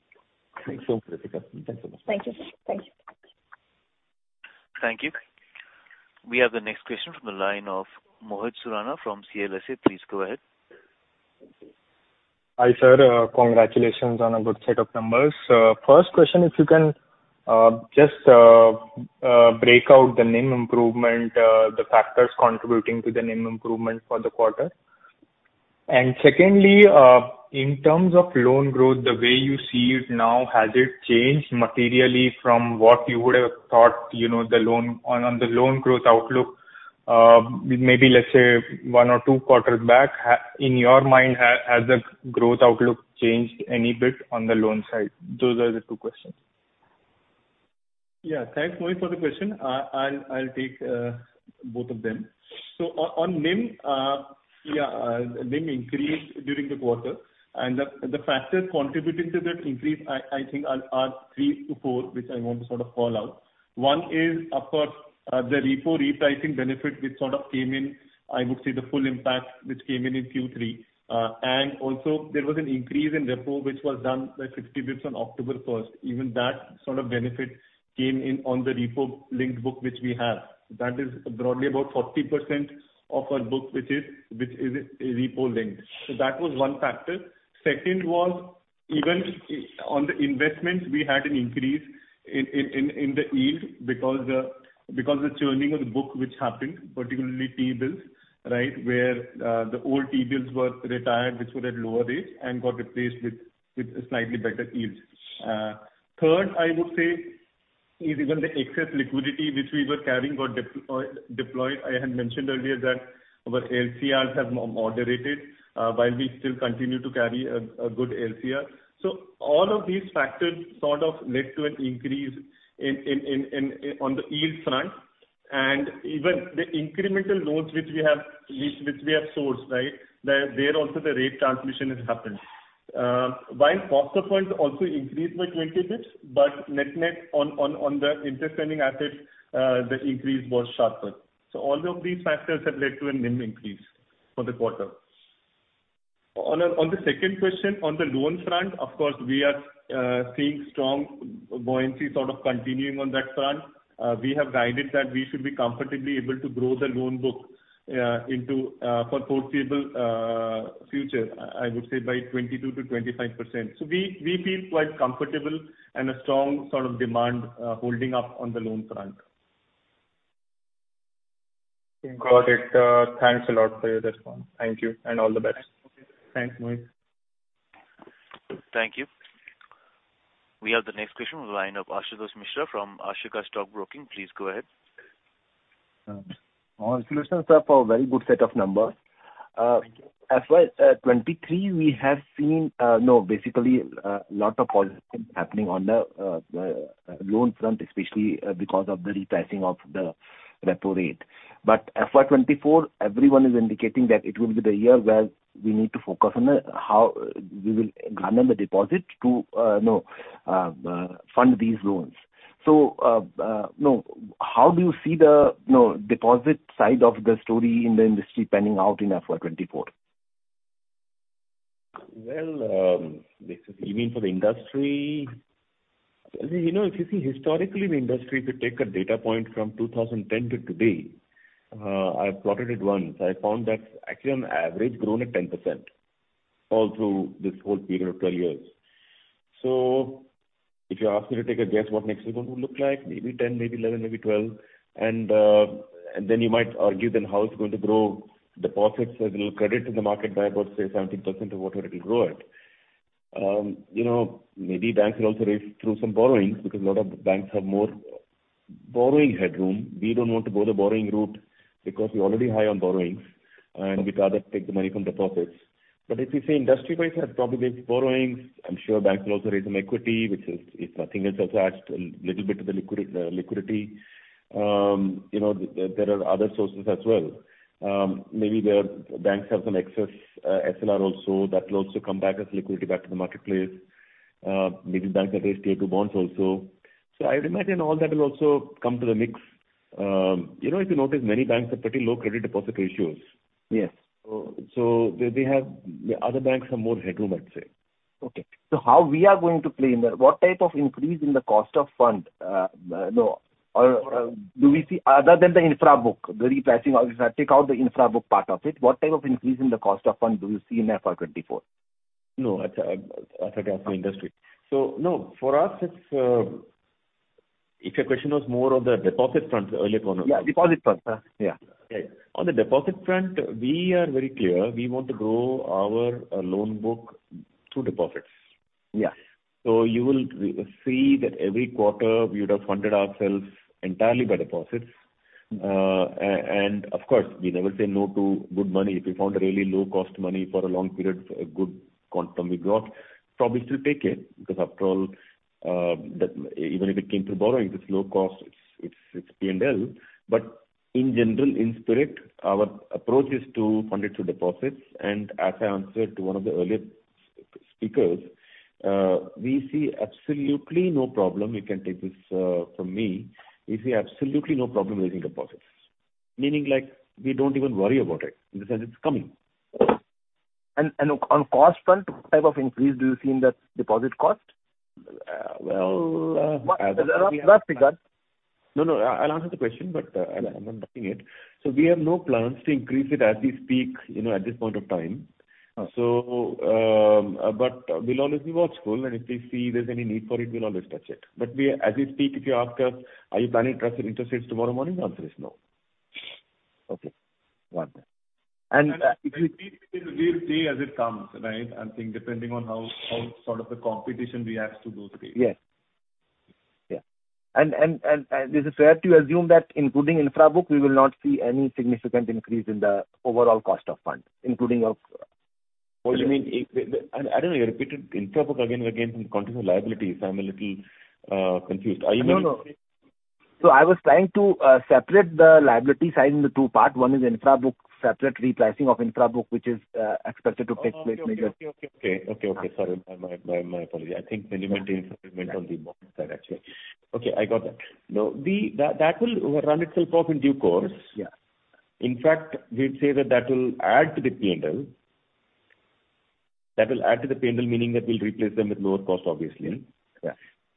Thanks so much, Ritika. Thanks so much. Thank you, sir. Thank you. Thank you. We have the next question from the line of Mohit Surana from CLSA. Please go ahead. Hi, sir. Congratulations on a good set of numbers. First question, if you can, just break out the NIM improvement, the factors contributing to the NIM improvement for the quarter. Secondly, in terms of loan growth, the way you see it now, has it changed materially from what you would have thought, you know, on the loan growth outlook, maybe let's say one or two quarters back. In your mind, has the growth outlook changed any bit on the loan side? Those are the two questions. Yeah. Thanks, Mohit, for the question. I'll take both of them. On NIM, yeah, NIM increased during the quarter and the factors contributing to that increase I think are three to four, which I want to sort of call out. One is, of course, the repo repricing benefit which sort of came in, I would say the full impact which came in Q3. Also there was an increase in repo which was done by 60 basis points on October first. Even that sort of benefit came in on the repo linked book which we have. That is broadly about 40% of our book, which is repo linked. That was one factor. Second was even on the investments we had an increase in the yield because the churning of the book which happened, particularly T-bills, right? Where the old T-bills were retired, which were at lower rates and got replaced with slightly better yields. Third, I would say is even the excess liquidity which we were carrying got deployed. I had mentioned earlier that our LCRs have moderated, while we still continue to carry a good LCR. All of these factors sort of led to an increase in on the yield front and even the incremental loans which we have leased, which we have sourced, right? There also the rate transmission has happened. While foster funds also increased by 20 basis points, but net-net on the interest earning assets, the increase was sharper. All of these factors have led to a NIM increase for the quarter. On the second question, on the loans front, of course, we are seeing strong buoyancy sort of continuing on that front. We have guided that we should be comfortably able to grow the loan book into for foreseeable future, I would say by 22%-25%. We feel quite comfortable and a strong sort of demand holding up on the loan front. Got it. Thanks a lot for your response. Thank you and all the best. Thanks, Mohit. Thank you. We have the next question on the line of Asutosh Mishra from Ashika Stock Broking. Please go ahead. Congratulations, sir, for a very good set of numbers. Thank you. FY 2023 we have seen, basically, lot of positive things happening on the loan front, especially, because of the repricing of the repo rate. FY 2024 everyone is indicating that it will be the year where we need to focus on, how we will garner the deposits to fund these loans. How do you see the, you know, deposit side of the story in the industry panning out in FY 2024? This is, you mean for the industry? If you see historically the industry, if you take a data point from 2010 to today, I plotted it once. I found that actually on average grown at 10% all through this whole period of 12 years. If you ask me to take a guess what next year is going to look like, maybe 10, maybe 11, maybe 12. You might argue then how it's going to grow deposits as we'll credit to the market by about, say, 17% or whatever it'll grow at. Maybe banks will also raise through some borrowings because a lot of banks have more borrowing headroom. We don't want to go the borrowing route because we're already high on borrowings and we'd rather take the money from deposits. If you say industry-wise has probably raised borrowings, I'm sure banks will also raise some equity, which is, if nothing else has hatched a little bit of the liquidity. you know, there are other sources as well. Maybe where banks have some excess SLR also that will also come back as liquidity back to the marketplace. Maybe banks have raised Tier 2 bonds also. I would imagine all that will also come to the mix. you know, if you notice, many banks have pretty low credit deposit ratios. Yes. Other banks have more headroom I'd say. What type of increase in the cost of fund, Or do we see other than the infra book, the repricing of, if I take out the infra book part of it, what type of increase in the cost of fund do you see in FY24? No. I forgot for industry. No, for us it's. If your question was more on the deposit front earlier. Yeah. Deposit front. yeah. Okay. On the deposit front, we are very clear. We want to grow our loan book through deposits. Yeah. You will re-see that every quarter we would have funded ourselves entirely by deposits. Of course, we never say no to good money. If we found a really low cost money for a long period for a good quantum we got, probably still take it because after all, that even if it came through borrowings, it's low cost, it's P&L. In general, in spirit, our approach is to fund it through deposits. As I answered to one of the earlier, we see absolutely no problem. You can take this from me. We see absolutely no problem raising deposits. Meaning like, we don't even worry about it because it's coming. On cost front, what type of increase do you see in that deposit cost? Well. Rough figure. No, no. I'll answer the question, but I'm not dodging it. We have no plans to increase it as we speak, you know, at this point of time. Uh. We'll always be watchful, and if we see there's any need for it, we'll always touch it. As we speak, if you ask us, are you planning to raise interest rates tomorrow morning? The answer is no. Okay. Got that. We'll see as it comes, right? I think depending on how sort of the competition reacts to those rates. Yes. Yeah. Is it fair to assume that including infra book, we will not see any significant increase in the overall cost of funds, including. What do you mean? I don't know. You repeated infra book again and again in context of liabilities. I'm a little confused. No, no. I was trying to separate the liability side into two parts. One is infra book, separate repricing of infra book, which is expected to take place later. Oh, okay. Sorry. My apology. I think when you mentioned infra, it went on the bond side, actually. Okay, I got that. That will run itself off in due course. Yeah. In fact, we'd say that will add to the P&L. That will add to the P&L, meaning that we'll replace them with lower cost, obviously.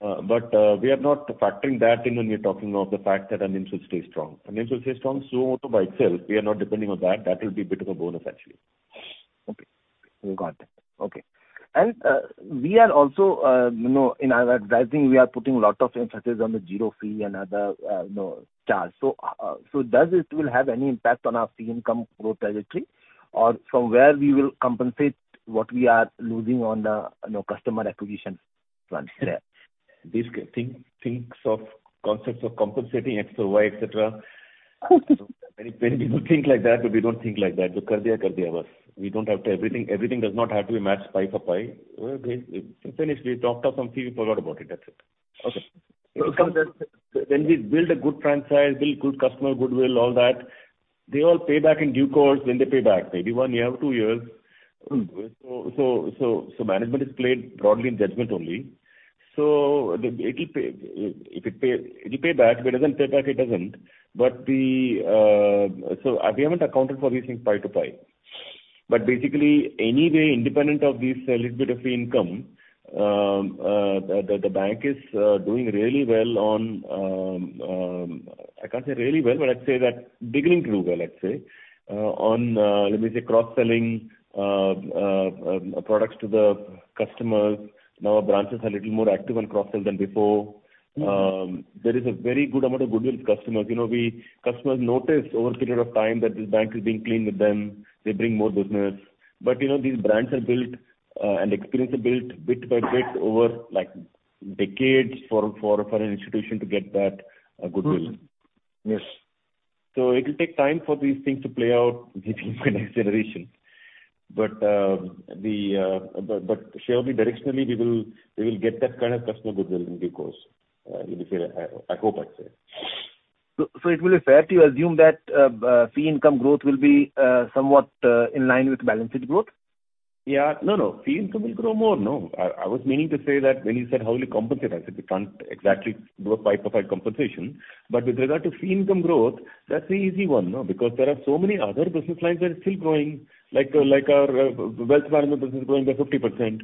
Correct. We are not factoring that in when we're talking of the fact that our NIMs will stay strong. Our NIMs will stay strong by itself. We are not depending on that. That will be a bit of a bonus actually. Okay. We got that. Okay. We are also, you know, in our advertising, we are putting a lot of emphasis on the ZERO Fee and other, you know, charge. Does it will have any impact on our fee income growth trajectory? From where we will compensate what we are losing on the, you know, customer acquisition front? These things, thinks of concepts of compensating X for Y, et cetera. Many people think like that, but we don't think like that. Jo karna hai karna hai bas. We don't have to... Everything does not have to be matched pie for pie. Simply, we talked of some fee, we forgot about it. That's it. Okay. When we build a good franchise, build good customer goodwill, all that, they all pay back in due course when they pay back, maybe one year or two years. Management is played broadly in judgment only. It'll pay, if it pay, it'll pay back. If it doesn't pay back, it doesn't. The, we haven't accounted for these things pie to pie. Basically, anyway, independent of this little bit of fee income, the bank is doing really well on, I can't say really well, but I'd say that beginning to do well, let's say, on, let me say, cross-selling products to the customers. Now our branches are a little more active on cross-sell than before. There is a very good amount of goodwill with customers. You know, we... customers notice over a period of time that this bank is being clean with them. They bring more business. You know, these brands are built and experience are built bit by bit over, like, decades for an institution to get that goodwill. Yes. It'll take time for these things to play out maybe for next generation. Surely directionally, we will get that kind of customer goodwill in due course. Let me say, I hope, I'd say. It will be fair to assume that fee income growth will be somewhat in line with balance sheet growth? Yeah. No, no. Fee income will grow more. No. I was meaning to say that when you said how will you compensate, I said we can't exactly do a pie for pie compensation. With regard to fee income growth, that's the easy one, no? There are so many other business lines that are still growing, like our wealth management business is growing by 50%.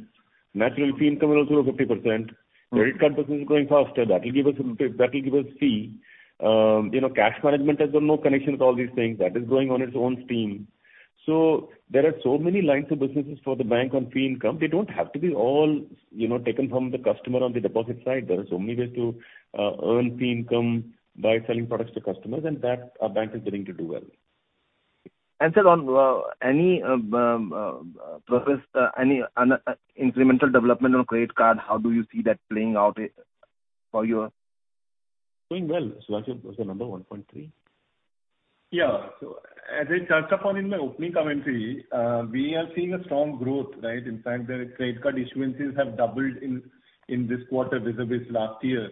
Naturally, fee income will also grow 50%. Credit card business is growing faster. That'll give us fee. you know, cash management has got no connection with all these things. That is growing on its own steam. There are so many lines of businesses for the bank on fee income. They don't have to be all, you know, taken from the customer on the deposit side. There are so many ways to earn fee income by selling products to customers, and that our bank is beginning to do well. sir, on, any progress, any an incremental development on credit card, how do you see that playing out? Doing well. Sudhanshu, what's the number? 1.3? Yeah. As I touched upon in my opening commentary, we are seeing a strong growth, right? In fact, the credit card issuances have doubled in this quarter vis-a-vis last year.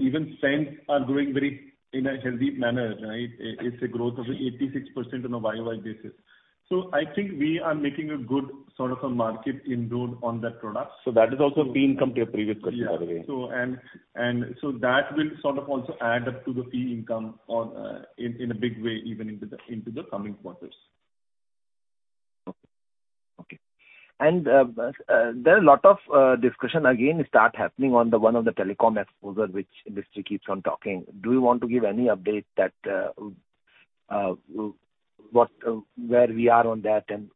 Even spends are growing very, in a healthy manner, right? It's a growth of 86% on a YoY basis. I think we are making a good sort of a market inroad on that product. That is also fee income to your previous question, by the way. Yeah. That will sort of also add up to the fee income in a big way, even into the coming quarters. Okay. There are a lot of discussion again start happening on the one of the telecom exposure which industry keeps on talking. Do you want to give any update that what where we are on that and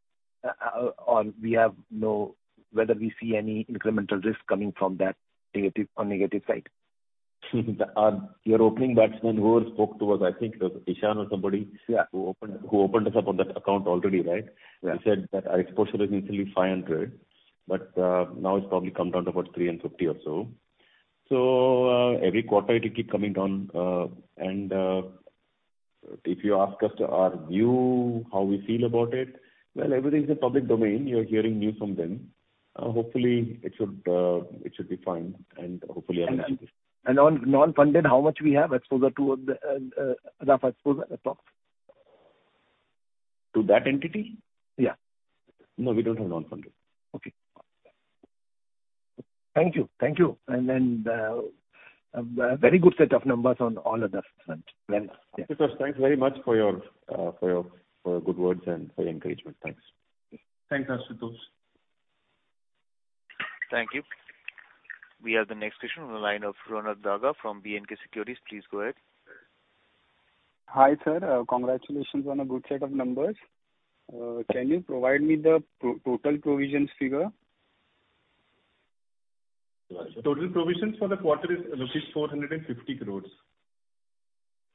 or whether we see any incremental risk coming from that negative or negative side? Your opening batsman who spoke to us, I think it was Ishan or somebody. Yeah. who opened us up on that account already, right? Yeah. Who said that our exposure is initially 500, but now it's probably come down to about 350 or so. Every quarter it'll keep coming down. If you ask us to our view, how we feel about it, well, everything's in public domain. You're hearing news from them. Hopefully it should, it should be fine and hopefully our- On non-funded, how much we have exposure to, rough exposure approx? To that entity? Yeah. No, we don't have non-funded. Okay. Thank you. Thank you. A very good set of numbers on all of that front. Thanks. Yeah. Asutosh, thanks very much for your good words and for your encouragement. Thanks. Thanks, Asutosh. Thank you. We have the next question on the line of Ronak Daga from BNK Securities. Please go ahead. Hi, sir. Congratulations on a good set of numbers. Can you provide me the pro-total provisions figure? Total provisions for the quarter is rupees 450 crores.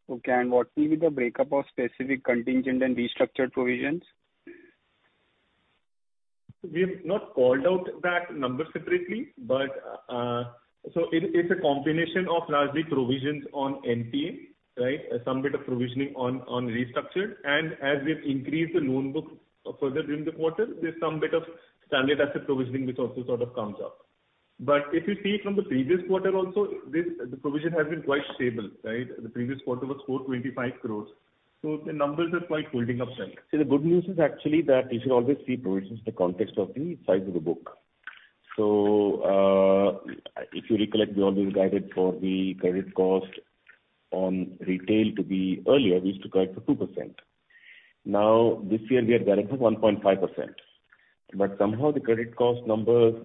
Okay. What will be the breakup of specific contingent and restructured provisions? We have not called out that number separately, but it's a combination of largely provisions on NPA, right? Some bit of provisioning on restructured. As we have increased the loan book further during the quarter, there's some bit of standard asset provisioning which also sort of comes up. If you see from the previous quarter also, the provision has been quite stable, right? The previous quarter was 425 crores. The numbers are quite holding up well. The good news is actually that you should always see provisions in the context of the size of the book. If you recollect, we always guided for the credit cost on retail to be, earlier we used to guide for 2%. This year we are guiding for 1.5%.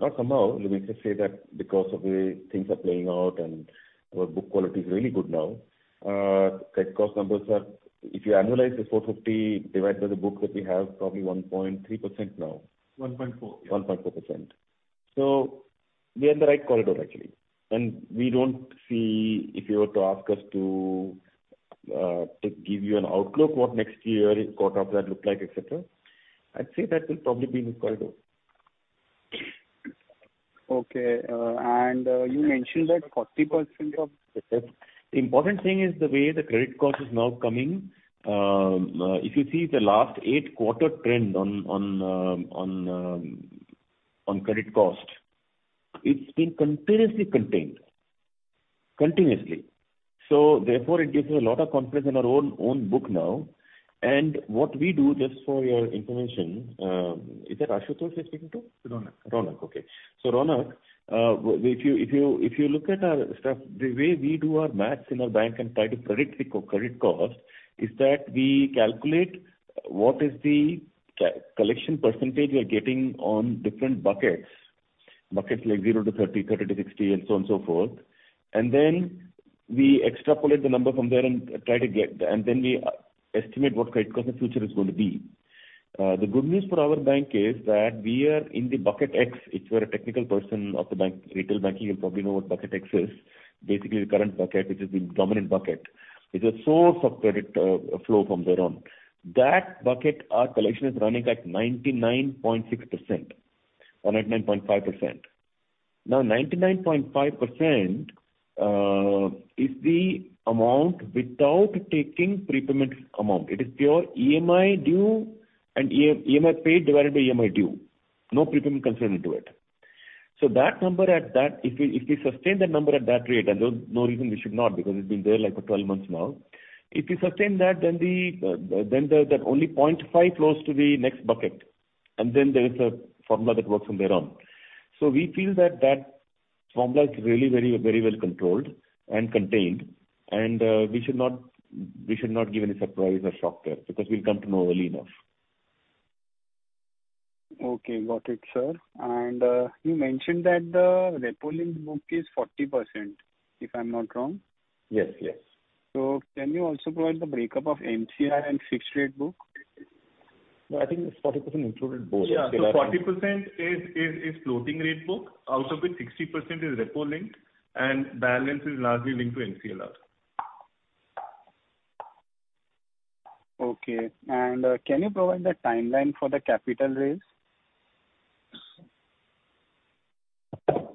Not somehow, let me just say that because of the way things are playing out and our book quality is really good now, credit cost numbers are, if you annualize the 450 divided by the book that we have, probably 1.3% now. 1.4. 1.4%. We are in the right corridor actually, and we don't see, if you were to ask us to give you an outlook what next year is, quarter of that look like, et cetera, I'd say that will probably be in the corridor. Okay. you mentioned that 40% of. Yes. The important thing is the way the credit cost is now coming. If you see the last eigth quarter trend on credit cost, it's been continuously contained. Continuously. Therefore it gives us a lot of confidence in our own book now. What we do, just for your information, is that Ashutosh you're speaking to? Ronak. Ronak, if you look at our stuff, the way we do our math in our bank and try to predict the credit cost is that we calculate what is the collection percentage we are getting on different buckets. Buckets like 0-30, 30-60 and so on and so forth. Then we extrapolate the number from there and then we estimate what credit cost in the future is going to be. The good news for our bank is that we are in the Bucket X. If you're a technical person of the bank, retail banking, you'll probably know what Bucket X is. Basically the current bucket, which is the dominant bucket, is a source of credit flow from there on. That bucket, our collection is running at 99.6% or 99.5%. Now, 99.5% is the amount without taking prepayment amount. It is pure EMI due and EMI paid divided by EMI due, no prepayment considered into it. That number at that, if we, if we sustain that number at that rate, and there's no reason we should not because it's been there like for 12 months now. If we sustain that then the only 0.5 flows to the next bucket and then there is a formula that works from there on. We feel that that formula is really very, very well controlled and contained and we should not give any surprise or shock there because we'll come to know early enough. Okay. Got it, sir. You mentioned that the repo-linked book is 40%, if I'm not wrong? Yes. Yes. Can you also provide the breakup of NCI and fixed rate book? No, I think this 40% included both. Yeah. The 40% is floating rate book. Out of which 60% is repo-linked and balance is largely linked to MCLR. Okay. Can you provide the timeline for the capital raise?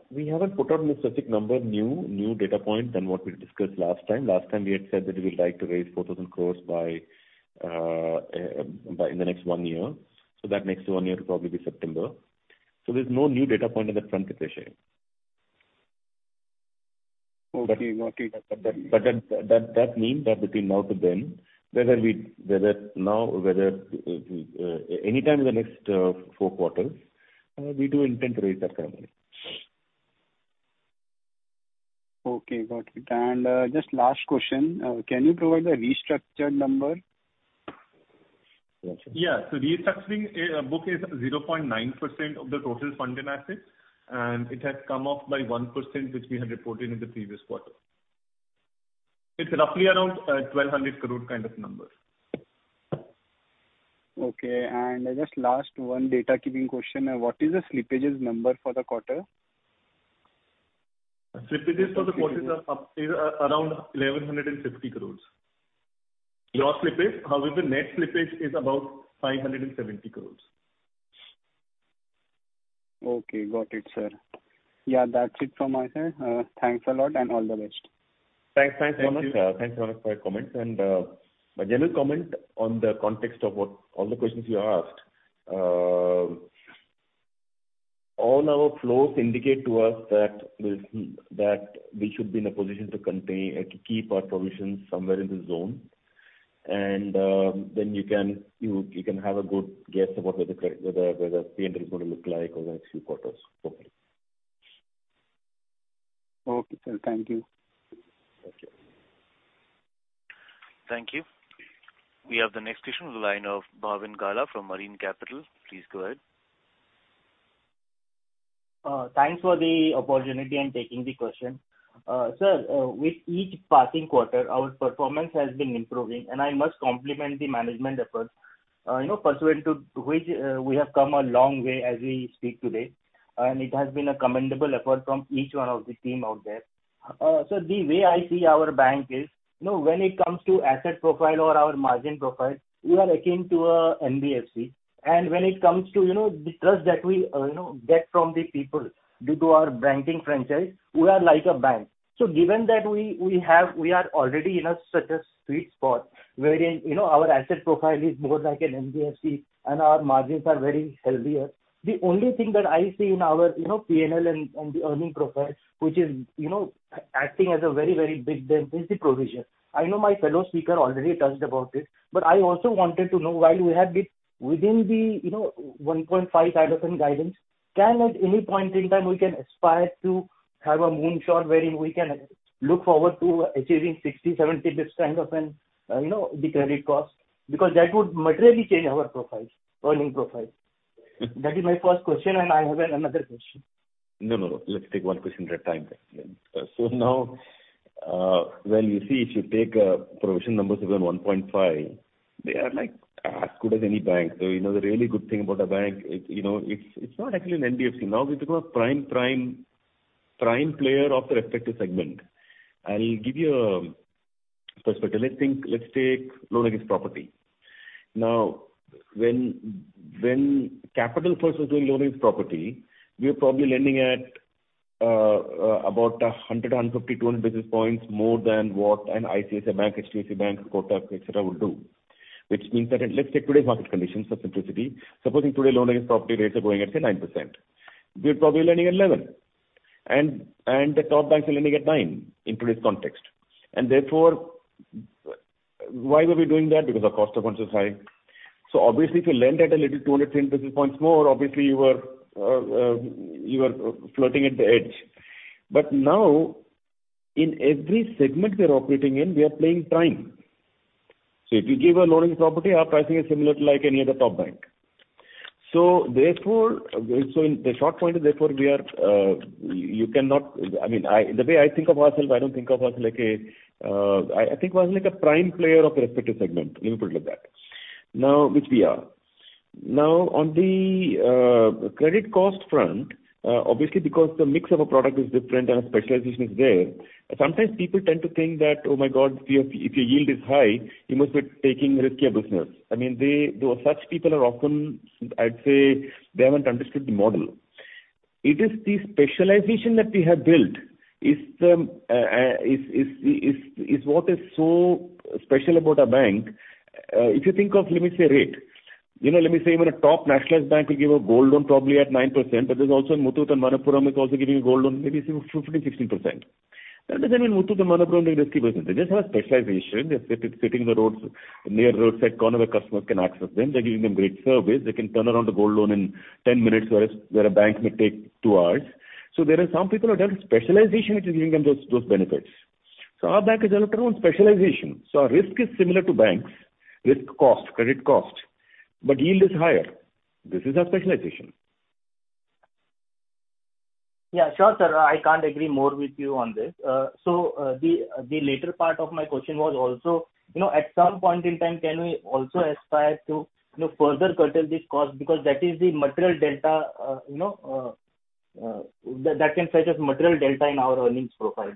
We haven't put out any specific number, new data point than what we discussed last time. Last time we had said that we'd like to raise 4,000 crores by in the next one year. That next one year will probably be September. There's no new data point on that front per se. Okay. Got it. That means that between now to then, whether now or whether anytime in the next four quarters, we do intend to raise that capital. Okay. Got it. Just last question. Can you provide the restructured number? Yeah. Restructuring book is 0.9% of the total funding assets, and it has come off by 1% which we had reported in the previous quarter. It's roughly around 1,200 crore kind of number. Okay. Just last one data keeping question. What is the slippages number for the quarter? Slippages for the quarter is, around 1,150 crores. Raw slippage. However, net slippage is about 570 crores. Okay. Got it sir. Yeah, that's it from my side. Thanks a lot and all the best. Thanks. Thanks Ronak. Thank you. Thanks Ronak for your comments. My general comment on the context of what all the questions you asked, All our flows indicate to us that this, that we should be in a position to contain and to keep our provisions somewhere in the zone. Then you can have a good guess about whether the credit, whether PPNR is gonna look like over the next few quarters. Hopefully. Okay sir thank you. Okay. Thank you. We have the next question on the line of Bhavin Gala from Marine Capital. Please go ahead. Thanks for the opportunity, and taking the question. Sir, with each passing quarter, our performance has been improving, and I must compliment the management efforts. you know, pursuant to which, we have come a long way as we speak today, and it has been a commendable effort from each one of the team out there. The way I see our bank is, you know, when it comes to asset profile or our margin profile, we are akin to a NBFC. When it comes to, you know, the trust that we, you know, get from the people due to our banking franchise, we are like a bank. Given that we are already in a, such a sweet spot wherein, you know, our asset profile is more like an NBFC and our margins are very healthier. The only thing that I see in our, you know, PNL and the earning profile, which is, you know, acting as a very, very big dent is the provision. I know my fellow speaker already touched about it, but I also wanted to know while we have been within the, you know, 1.5 kind of guidance, can at any point in time we can aspire to have a moonshot wherein we can look forward to achieving 60, 70 basis points of, you know, the credit cost? That would materially change our profile, earning profile. That is my first question. I have another question. No, no. Let's take one question at a time. Now, well, you see, if you take provision numbers around 1.5, they are like as good as any bank. You know, the really good thing about a bank is, you know, it's not actually an NBFC. Now, we've become a prime player of the respective segment. I'll give you a perspective. Let's think, let's take loan against property. Now, when Capital First was doing loan against property, we were probably lending at about 100, 150, 200 basis points more than what an ICICI Bank, HDFC Bank, Kotak, et cetera, would do. Which means that Let's take today's market conditions for simplicity. Supposing today loan against property rates are going at, say, 9%. We're probably lending at 11. The top banks are lending at nine in today's context. Therefore, why were we doing that? Because our cost of funds is high. Obviously if you lend at a little 210 basis points more, obviously you are flirting at the edge. Now, in every segment we are operating in, we are playing prime. If you give a loan against property, our pricing is similar to like any other top bank. Therefore, the short point is therefore we are, you cannot... I mean, the way I think of ourself, I don't think of us like a... I think of us like a prime player of the respective segment. Let me put it like that. Which we are. On the credit cost front, obviously because the mix of a product is different and a specialization is there, sometimes people tend to think that, "Oh my God, if your, if your yield is high, you must be taking riskier business." I mean, though such people are often, I'd say, they haven't understood the model. It is the specialization that we have built is what is so special about our bank. If you think of, let me say, rate. You know, let me say even a top nationalized bank will give a gold loan probably at 9%, but there's also Muthoot and Manappuram is also giving a gold loan, maybe say 15%, 16%. That doesn't mean Muthoot and Manappuram take risky business. They just have a specialization. They're sitting the roads, near roadside corner where customers can access them. They're giving them great service. They can turn around a gold loan in 10 minutes, whereas, where a bank may take two hours. There are some people who have done specialization, which is giving them those benefits. Our bank has also grown specialization. Our risk is similar to banks. Risk cost, credit cost, but yield is higher. This is our specialization. Yeah sure sir I can't agree more with you on this. The later part of my question was also, you know, at some point in time, can we also aspire to, you know, further curtail this cost? Because that is the material delta, you know, that can fetch us material delta in our earnings profile.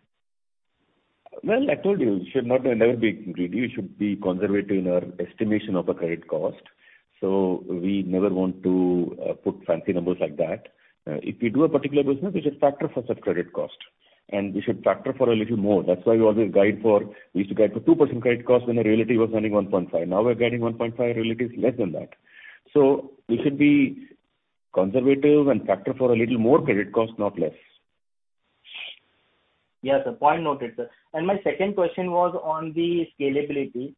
I told you, we should not never be greedy. We should be conservative in our estimation of a credit cost. We never want to put fancy numbers like that. If we do a particular business, we should factor for such credit cost. We should factor for a little more. That's why we always guide for, we used to guide for 2% credit cost when the reality was running 1.5%. Now we're guiding 1.5%, reality is less than that. We should be conservative and factor for a little more credit cost, not less. Yeah. Point noted, sir. My second question was on the scalability.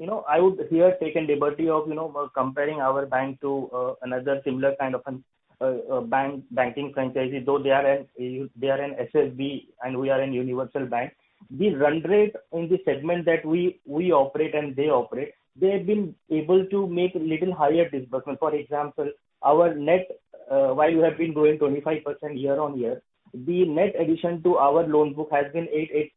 You know, I would here taken liberty of, you know, comparing our bank to another similar kind of an banking franchise. Though they are an SFB and we are an universal bank. The run rate in the segment that we operate and they operate, they've been able to make little higher disbursement. For example, our net, while we have been growing 25% year-on-year, the net addition to our loan book has been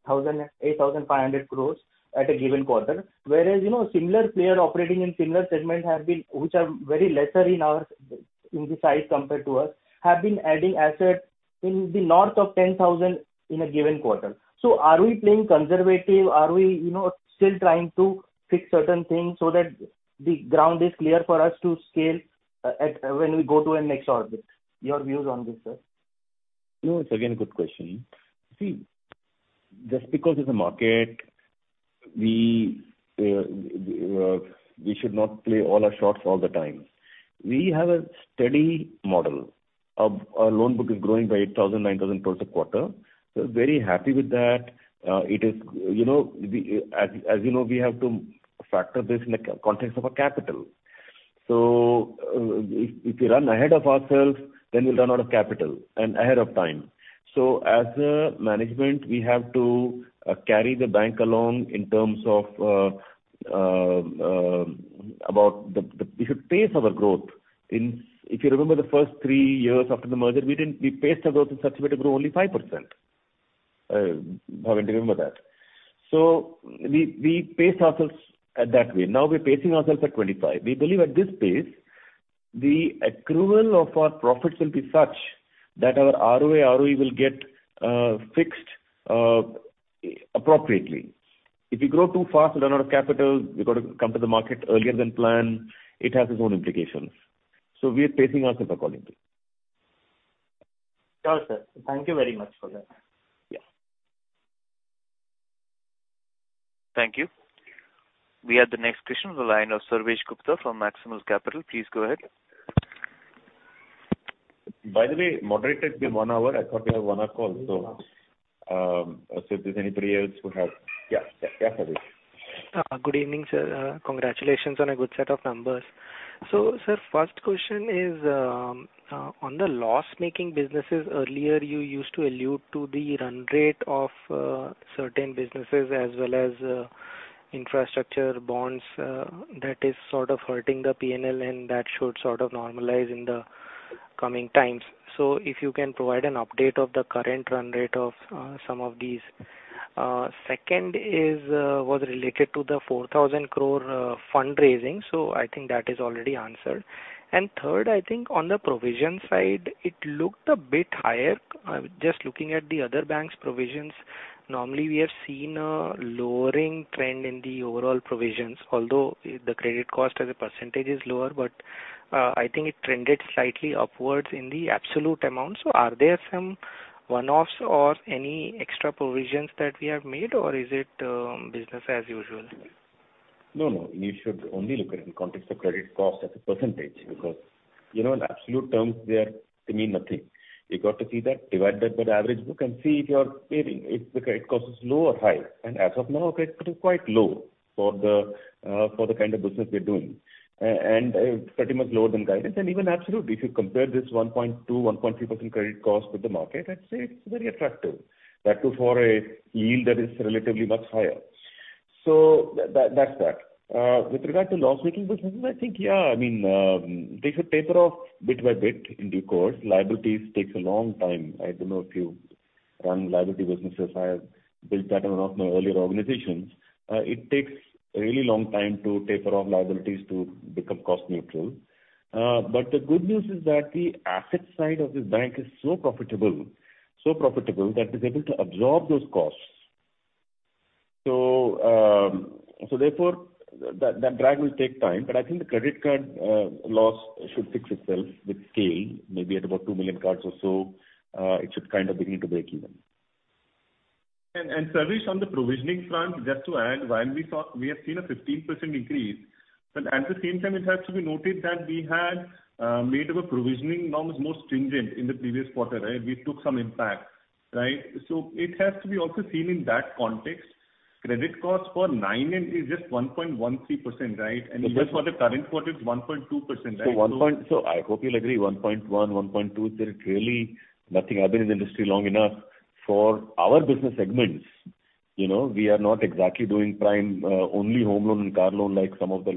8,500 crores at a given quarter. Whereas, you know, similar player operating in similar segment have been, which are very lesser in our, in the size compared to us, have been adding assets in the north of 10,000 crores in a given quarter. Are we playing conservative? Are we, you know, still trying to fix certain things so that the ground is clear for us to scale at, when we go to a next orbit? Your views on this, sir. No, it's again a good question. Just because it's a market, we should not play all our shots all the time. We have a steady model. Our loan book is growing by 8,000 crores-9,000 crores a quarter. Very happy with that. It is, you know, as you know, we have to factor this in the context of our capital. If we run ahead of ourselves, then we'll run out of capital and ahead of time. As a management, we have to we should pace our growth. If you remember the first three years after the merger, We paced our growth in such a way to grow only 5%. Bhavin, do you remember that? We paced ourselves at that way. Now we're pacing ourselves at 2025. We believe at this pace, the accrual of our profits will be such that our ROA, ROE will get fixed appropriately. If you grow too fast and run out of capital, you've got to come to the market earlier than planned. It has its own implications. We are pacing ourselves accordingly. Sure, sir. Thank you very much for that. Yeah. Thank you. We have the next question on the line of Sarvesh Gupta from Maximal Capital. Please go ahead. By the way, moderated the one hour. I thought we have one hour call. If there's anybody else who have... Yeah Sarvesh. Good evening sir congratulations on a good set of numbers. Sir, first question is on the loss-making businesses. Earlier, you used to allude to the run rate of certain businesses as well as infrastructure bonds that is sort of hurting the PNL and that should sort of normalize in the coming times. If you can provide an update of the current run rate of some of these. Second is was related to the 4,000 crore fundraising. I think that is already answered. Third, I think on the provision side, it looked a bit higher. I'm just looking at the other bank's provisions. Normally, we have seen a lowering trend in the overall provisions, although the credit cost as a percentage is lower, but I think it trended slightly upwards in the absolute amount. Are there some one-offs or any extra provisions that we have made or is it, business as usual? No, no. You should only look at it in context of credit cost as a percentage because, you know, in absolute terms there, they mean nothing. You got to see that, divide that by the average book and see if you are paying, if the credit cost is low or high. As of now, credit cost is quite low for the for the kind of business we're doing. It's pretty much lower than guidance and even absolute. If you compare this 1.2%-1.3% credit cost with the market, I'd say it's very attractive. That too for a yield that is relatively much higher. That's that. With regard to loss-making businesses, I think, yeah, I mean, they should taper off bit by bit in due course. Liabilities takes a long time. I don't know if you run liability businesses. I have built that in one of my earlier organizations. It takes a really long time to taper off liabilities to become cost neutral. But the good news is that the asset side of this bank is so profitable that it's able to absorb those costs. Therefore, that drag will take time, but I think the credit card loss should fix itself with scale, maybe at about 2 million cards or so. It should kind of begin to break even. Sarvesh on the provisioning front, just to add, while we saw we have seen a 15% increase, but at the same time, it has to be noted that we had made our provisioning norms more stringent in the previous quarter, right? We took some impact, right? So it has to be also seen in that context. Credit costs for nine and is just 1.13%, right? Just for the current quarter, it's 1.2%, right? I hope you'll agree, 1.1.2, there is really nothing. I've been in the industry long enough. For our business segments, you know, we are not exactly doing prime, only home loan and car loan like some of the,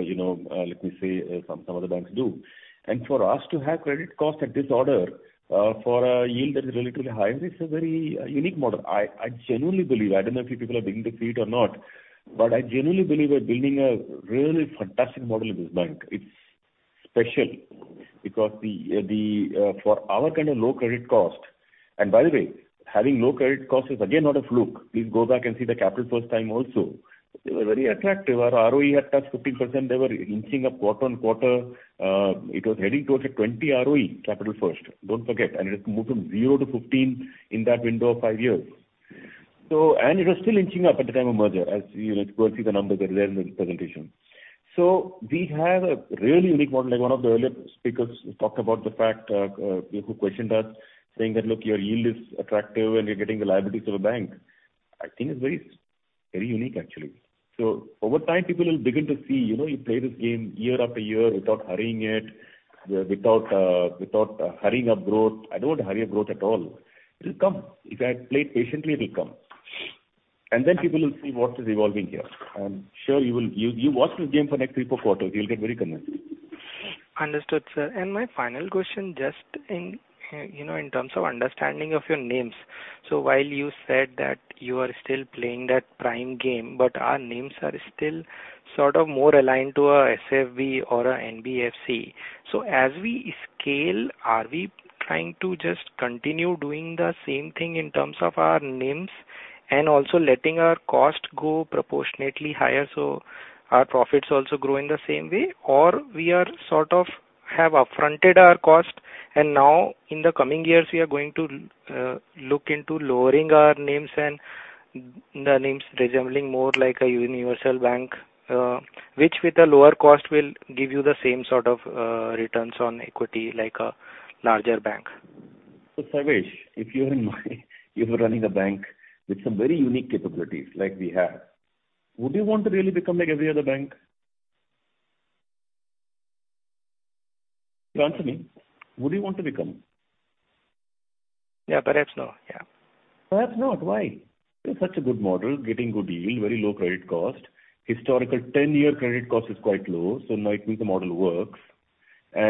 you know, let me say, some other banks do. For us to have credit costs at this order, for a yield that is relatively higher, this is a very unique model. I genuinely believe, I don't know if you people are beginning to see it or not, but I genuinely believe we're building a really fantastic model in this bank. It's special because For our kind of low credit cost, and by the way, having low credit cost is again not a fluke. Please go back and see the Capital First time also. They were very attractive. Our ROE had touched 15%. They were inching up quarter-on-quarter. It was heading towards a 20 ROE Capital First. Don't forget. It moved from zero to 15 in that window of five years. It was still inching up at the time of merger, as you will see the numbers are there in the presentation. We have a really unique model. Like one of the earlier speakers talked about the fact, people who questioned us saying that, "Look, your yield is attractive and you're getting the liabilities of a bank." I think it's very, very unique actually. Over time, people will begin to see, you know, you play this game year after year without hurrying it, without hurrying up growth. I don't want to hurry up growth at all. It'll come. If I play it patiently, it'll come. People will see what is evolving here. I'm sure you will watch this game for next three, four quarters, you'll get very convinced. Understood, sir. My final question, just in, you know, in terms of understanding of your NIMs. While you said that you are still playing that prime game, but our NIMs are still sort of more aligned to a SFB or a NBFC. As we scale, are we trying to just continue doing the same thing in terms of our NIMs and also letting our cost go proportionately higher, so our profits also grow in the same way? We are sort of have upfronted our cost and now in the coming years, we are going to look into lowering our NIMs and the NIMs resembling more like a universal bank, which with a lower cost will give you the same sort of returns on equity like a larger bank. Sarvesh, If you were running a bank with some very unique capabilities like we have, would you want to really become like every other bank? Answer me. Would you want to become? Yeah perhaps no. Yeah. Perhaps not. Why? You're such a good model, getting good yield, very low credit cost. Historical 10-year credit cost is quite low, so likely the model works. We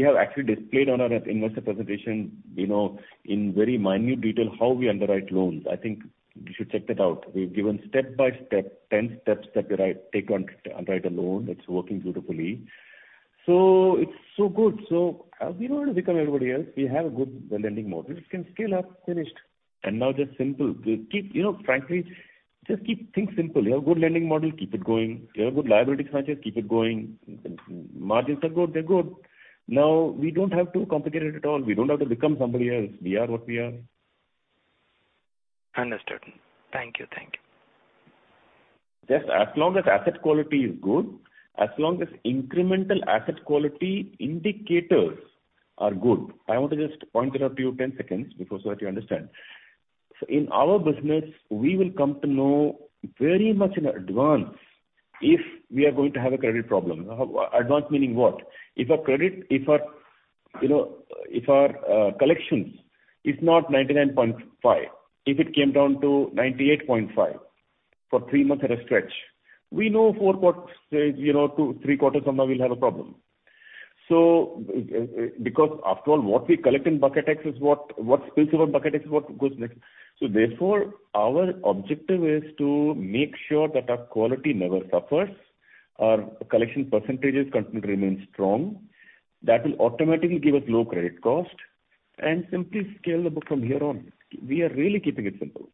have actually displayed on our investor presentation, you know, in very minute detail how we underwrite loans. I think you should check that out. We've given step-by-step, 10 steps that we write, take on to underwrite a loan. It's working beautifully. It's so good. We don't want to become everybody else. We have a good lending model. We can scale up, finished. Just simple. You know, frankly, just keep things simple. You have a good lending model, keep it going. You have a good liability strategy, keep it going. Margins are good, they're good. We don't have to complicate it at all. We don't have to become somebody else. We are what we are. Understood. Thank you. Thank you. Just as long as asset quality is good, as long as incremental asset quality indicators are good. I want to just point that out to you 10 seconds before so that you understand. In our business, we will come to know very much in advance if we are going to have a credit problem. Advance meaning what? If our credit, if our, you know, if our collections is not 99.5, if it came down to 98.5 for three months at a stretch, we know four quarters, you know, two, three quarters from now we'll have a problem. Because after all, what we collect in Bucket X is what spills over Bucket X is what goes next. Therefore, our objective is to make sure that our quality never suffers, our collection percentages continue to remain strong. That will automatically give us low credit cost and simply scale the book from here on. We are really keeping it simple.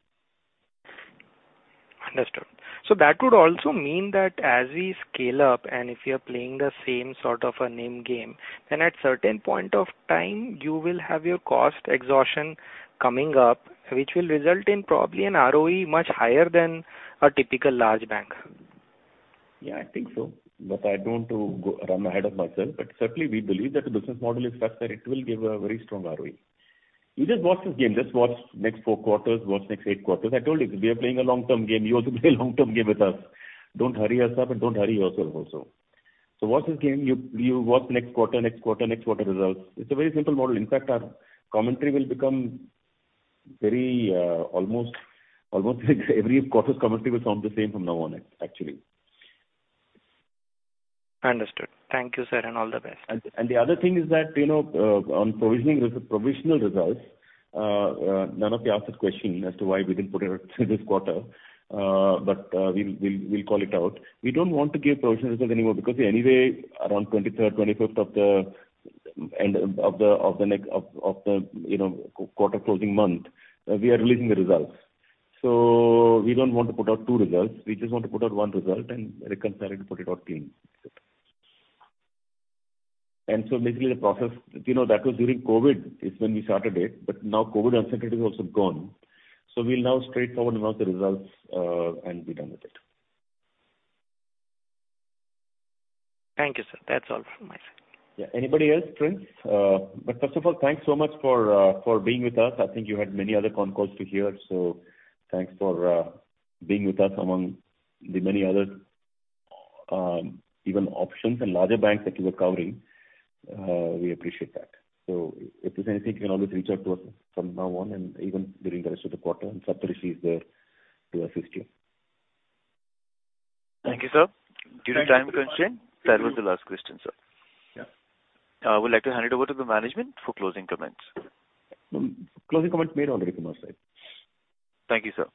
Understood. That would also mean that as we scale up and if you're playing the same sort of a NIM game, then at certain point of time you will have your cost exhaustion coming up, which will result in probably an ROE much higher than a typical large bank. Yeah, I think so. I don't want to go, run ahead of myself. Certainly we believe that the business model is such that it will give a very strong ROE. You just watch this game. Just watch next four quarters, watch next eight quarters. I told you, we are playing a long-term game. You also play a long-term game with us. Don't hurry us up and don't hurry yourself also. Watch this game. You watch next quarter, next quarter, next quarter results. It's a very simple model. In fact, our commentary will become very, almost every quarter's commentary will sound the same from now on, actually. Understood. Thank you sir and all the best. The other thing is that, you know, on provisional results, none of you asked this question as to why we didn't put it out this quarter, but we'll call it out. We don't want to give provisional results anymore because anyway, around 23rd, 25th of the end of the next, of the, you know, quarter closing month, we are releasing the results. We don't want to put out two results. We just want to put out 1 result and reconcile it and put it out clean. Basically the process, you know, that was during COVID is when we started it, but now COVID uncertainty is also gone. We'll now straightforward announce the results and be done with it. Thank you sir. That's all from my side. Yeah anybdy else Prince? First of all, thanks so much for for being with us. I think you had many other concalls to hear. Thanks for being with us among the many other even options and larger banks that you were covering. We appreciate that. If there's anything you can always reach out to us from now on and even during the rest of the quarter, and Saptarshi is there to assist you. Thank you sir. Thank you so much. Due to time constraint that was the last question sir. Yeah. We'd like to hand it over to the management for closing comments. Closing comments made already from our side. Thank you sir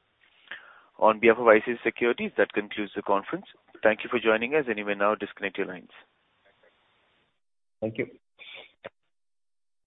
on behalf of ICICI Securities that concludes the conference. Thank you for joining us. You may now disconnect your lines. Thank you.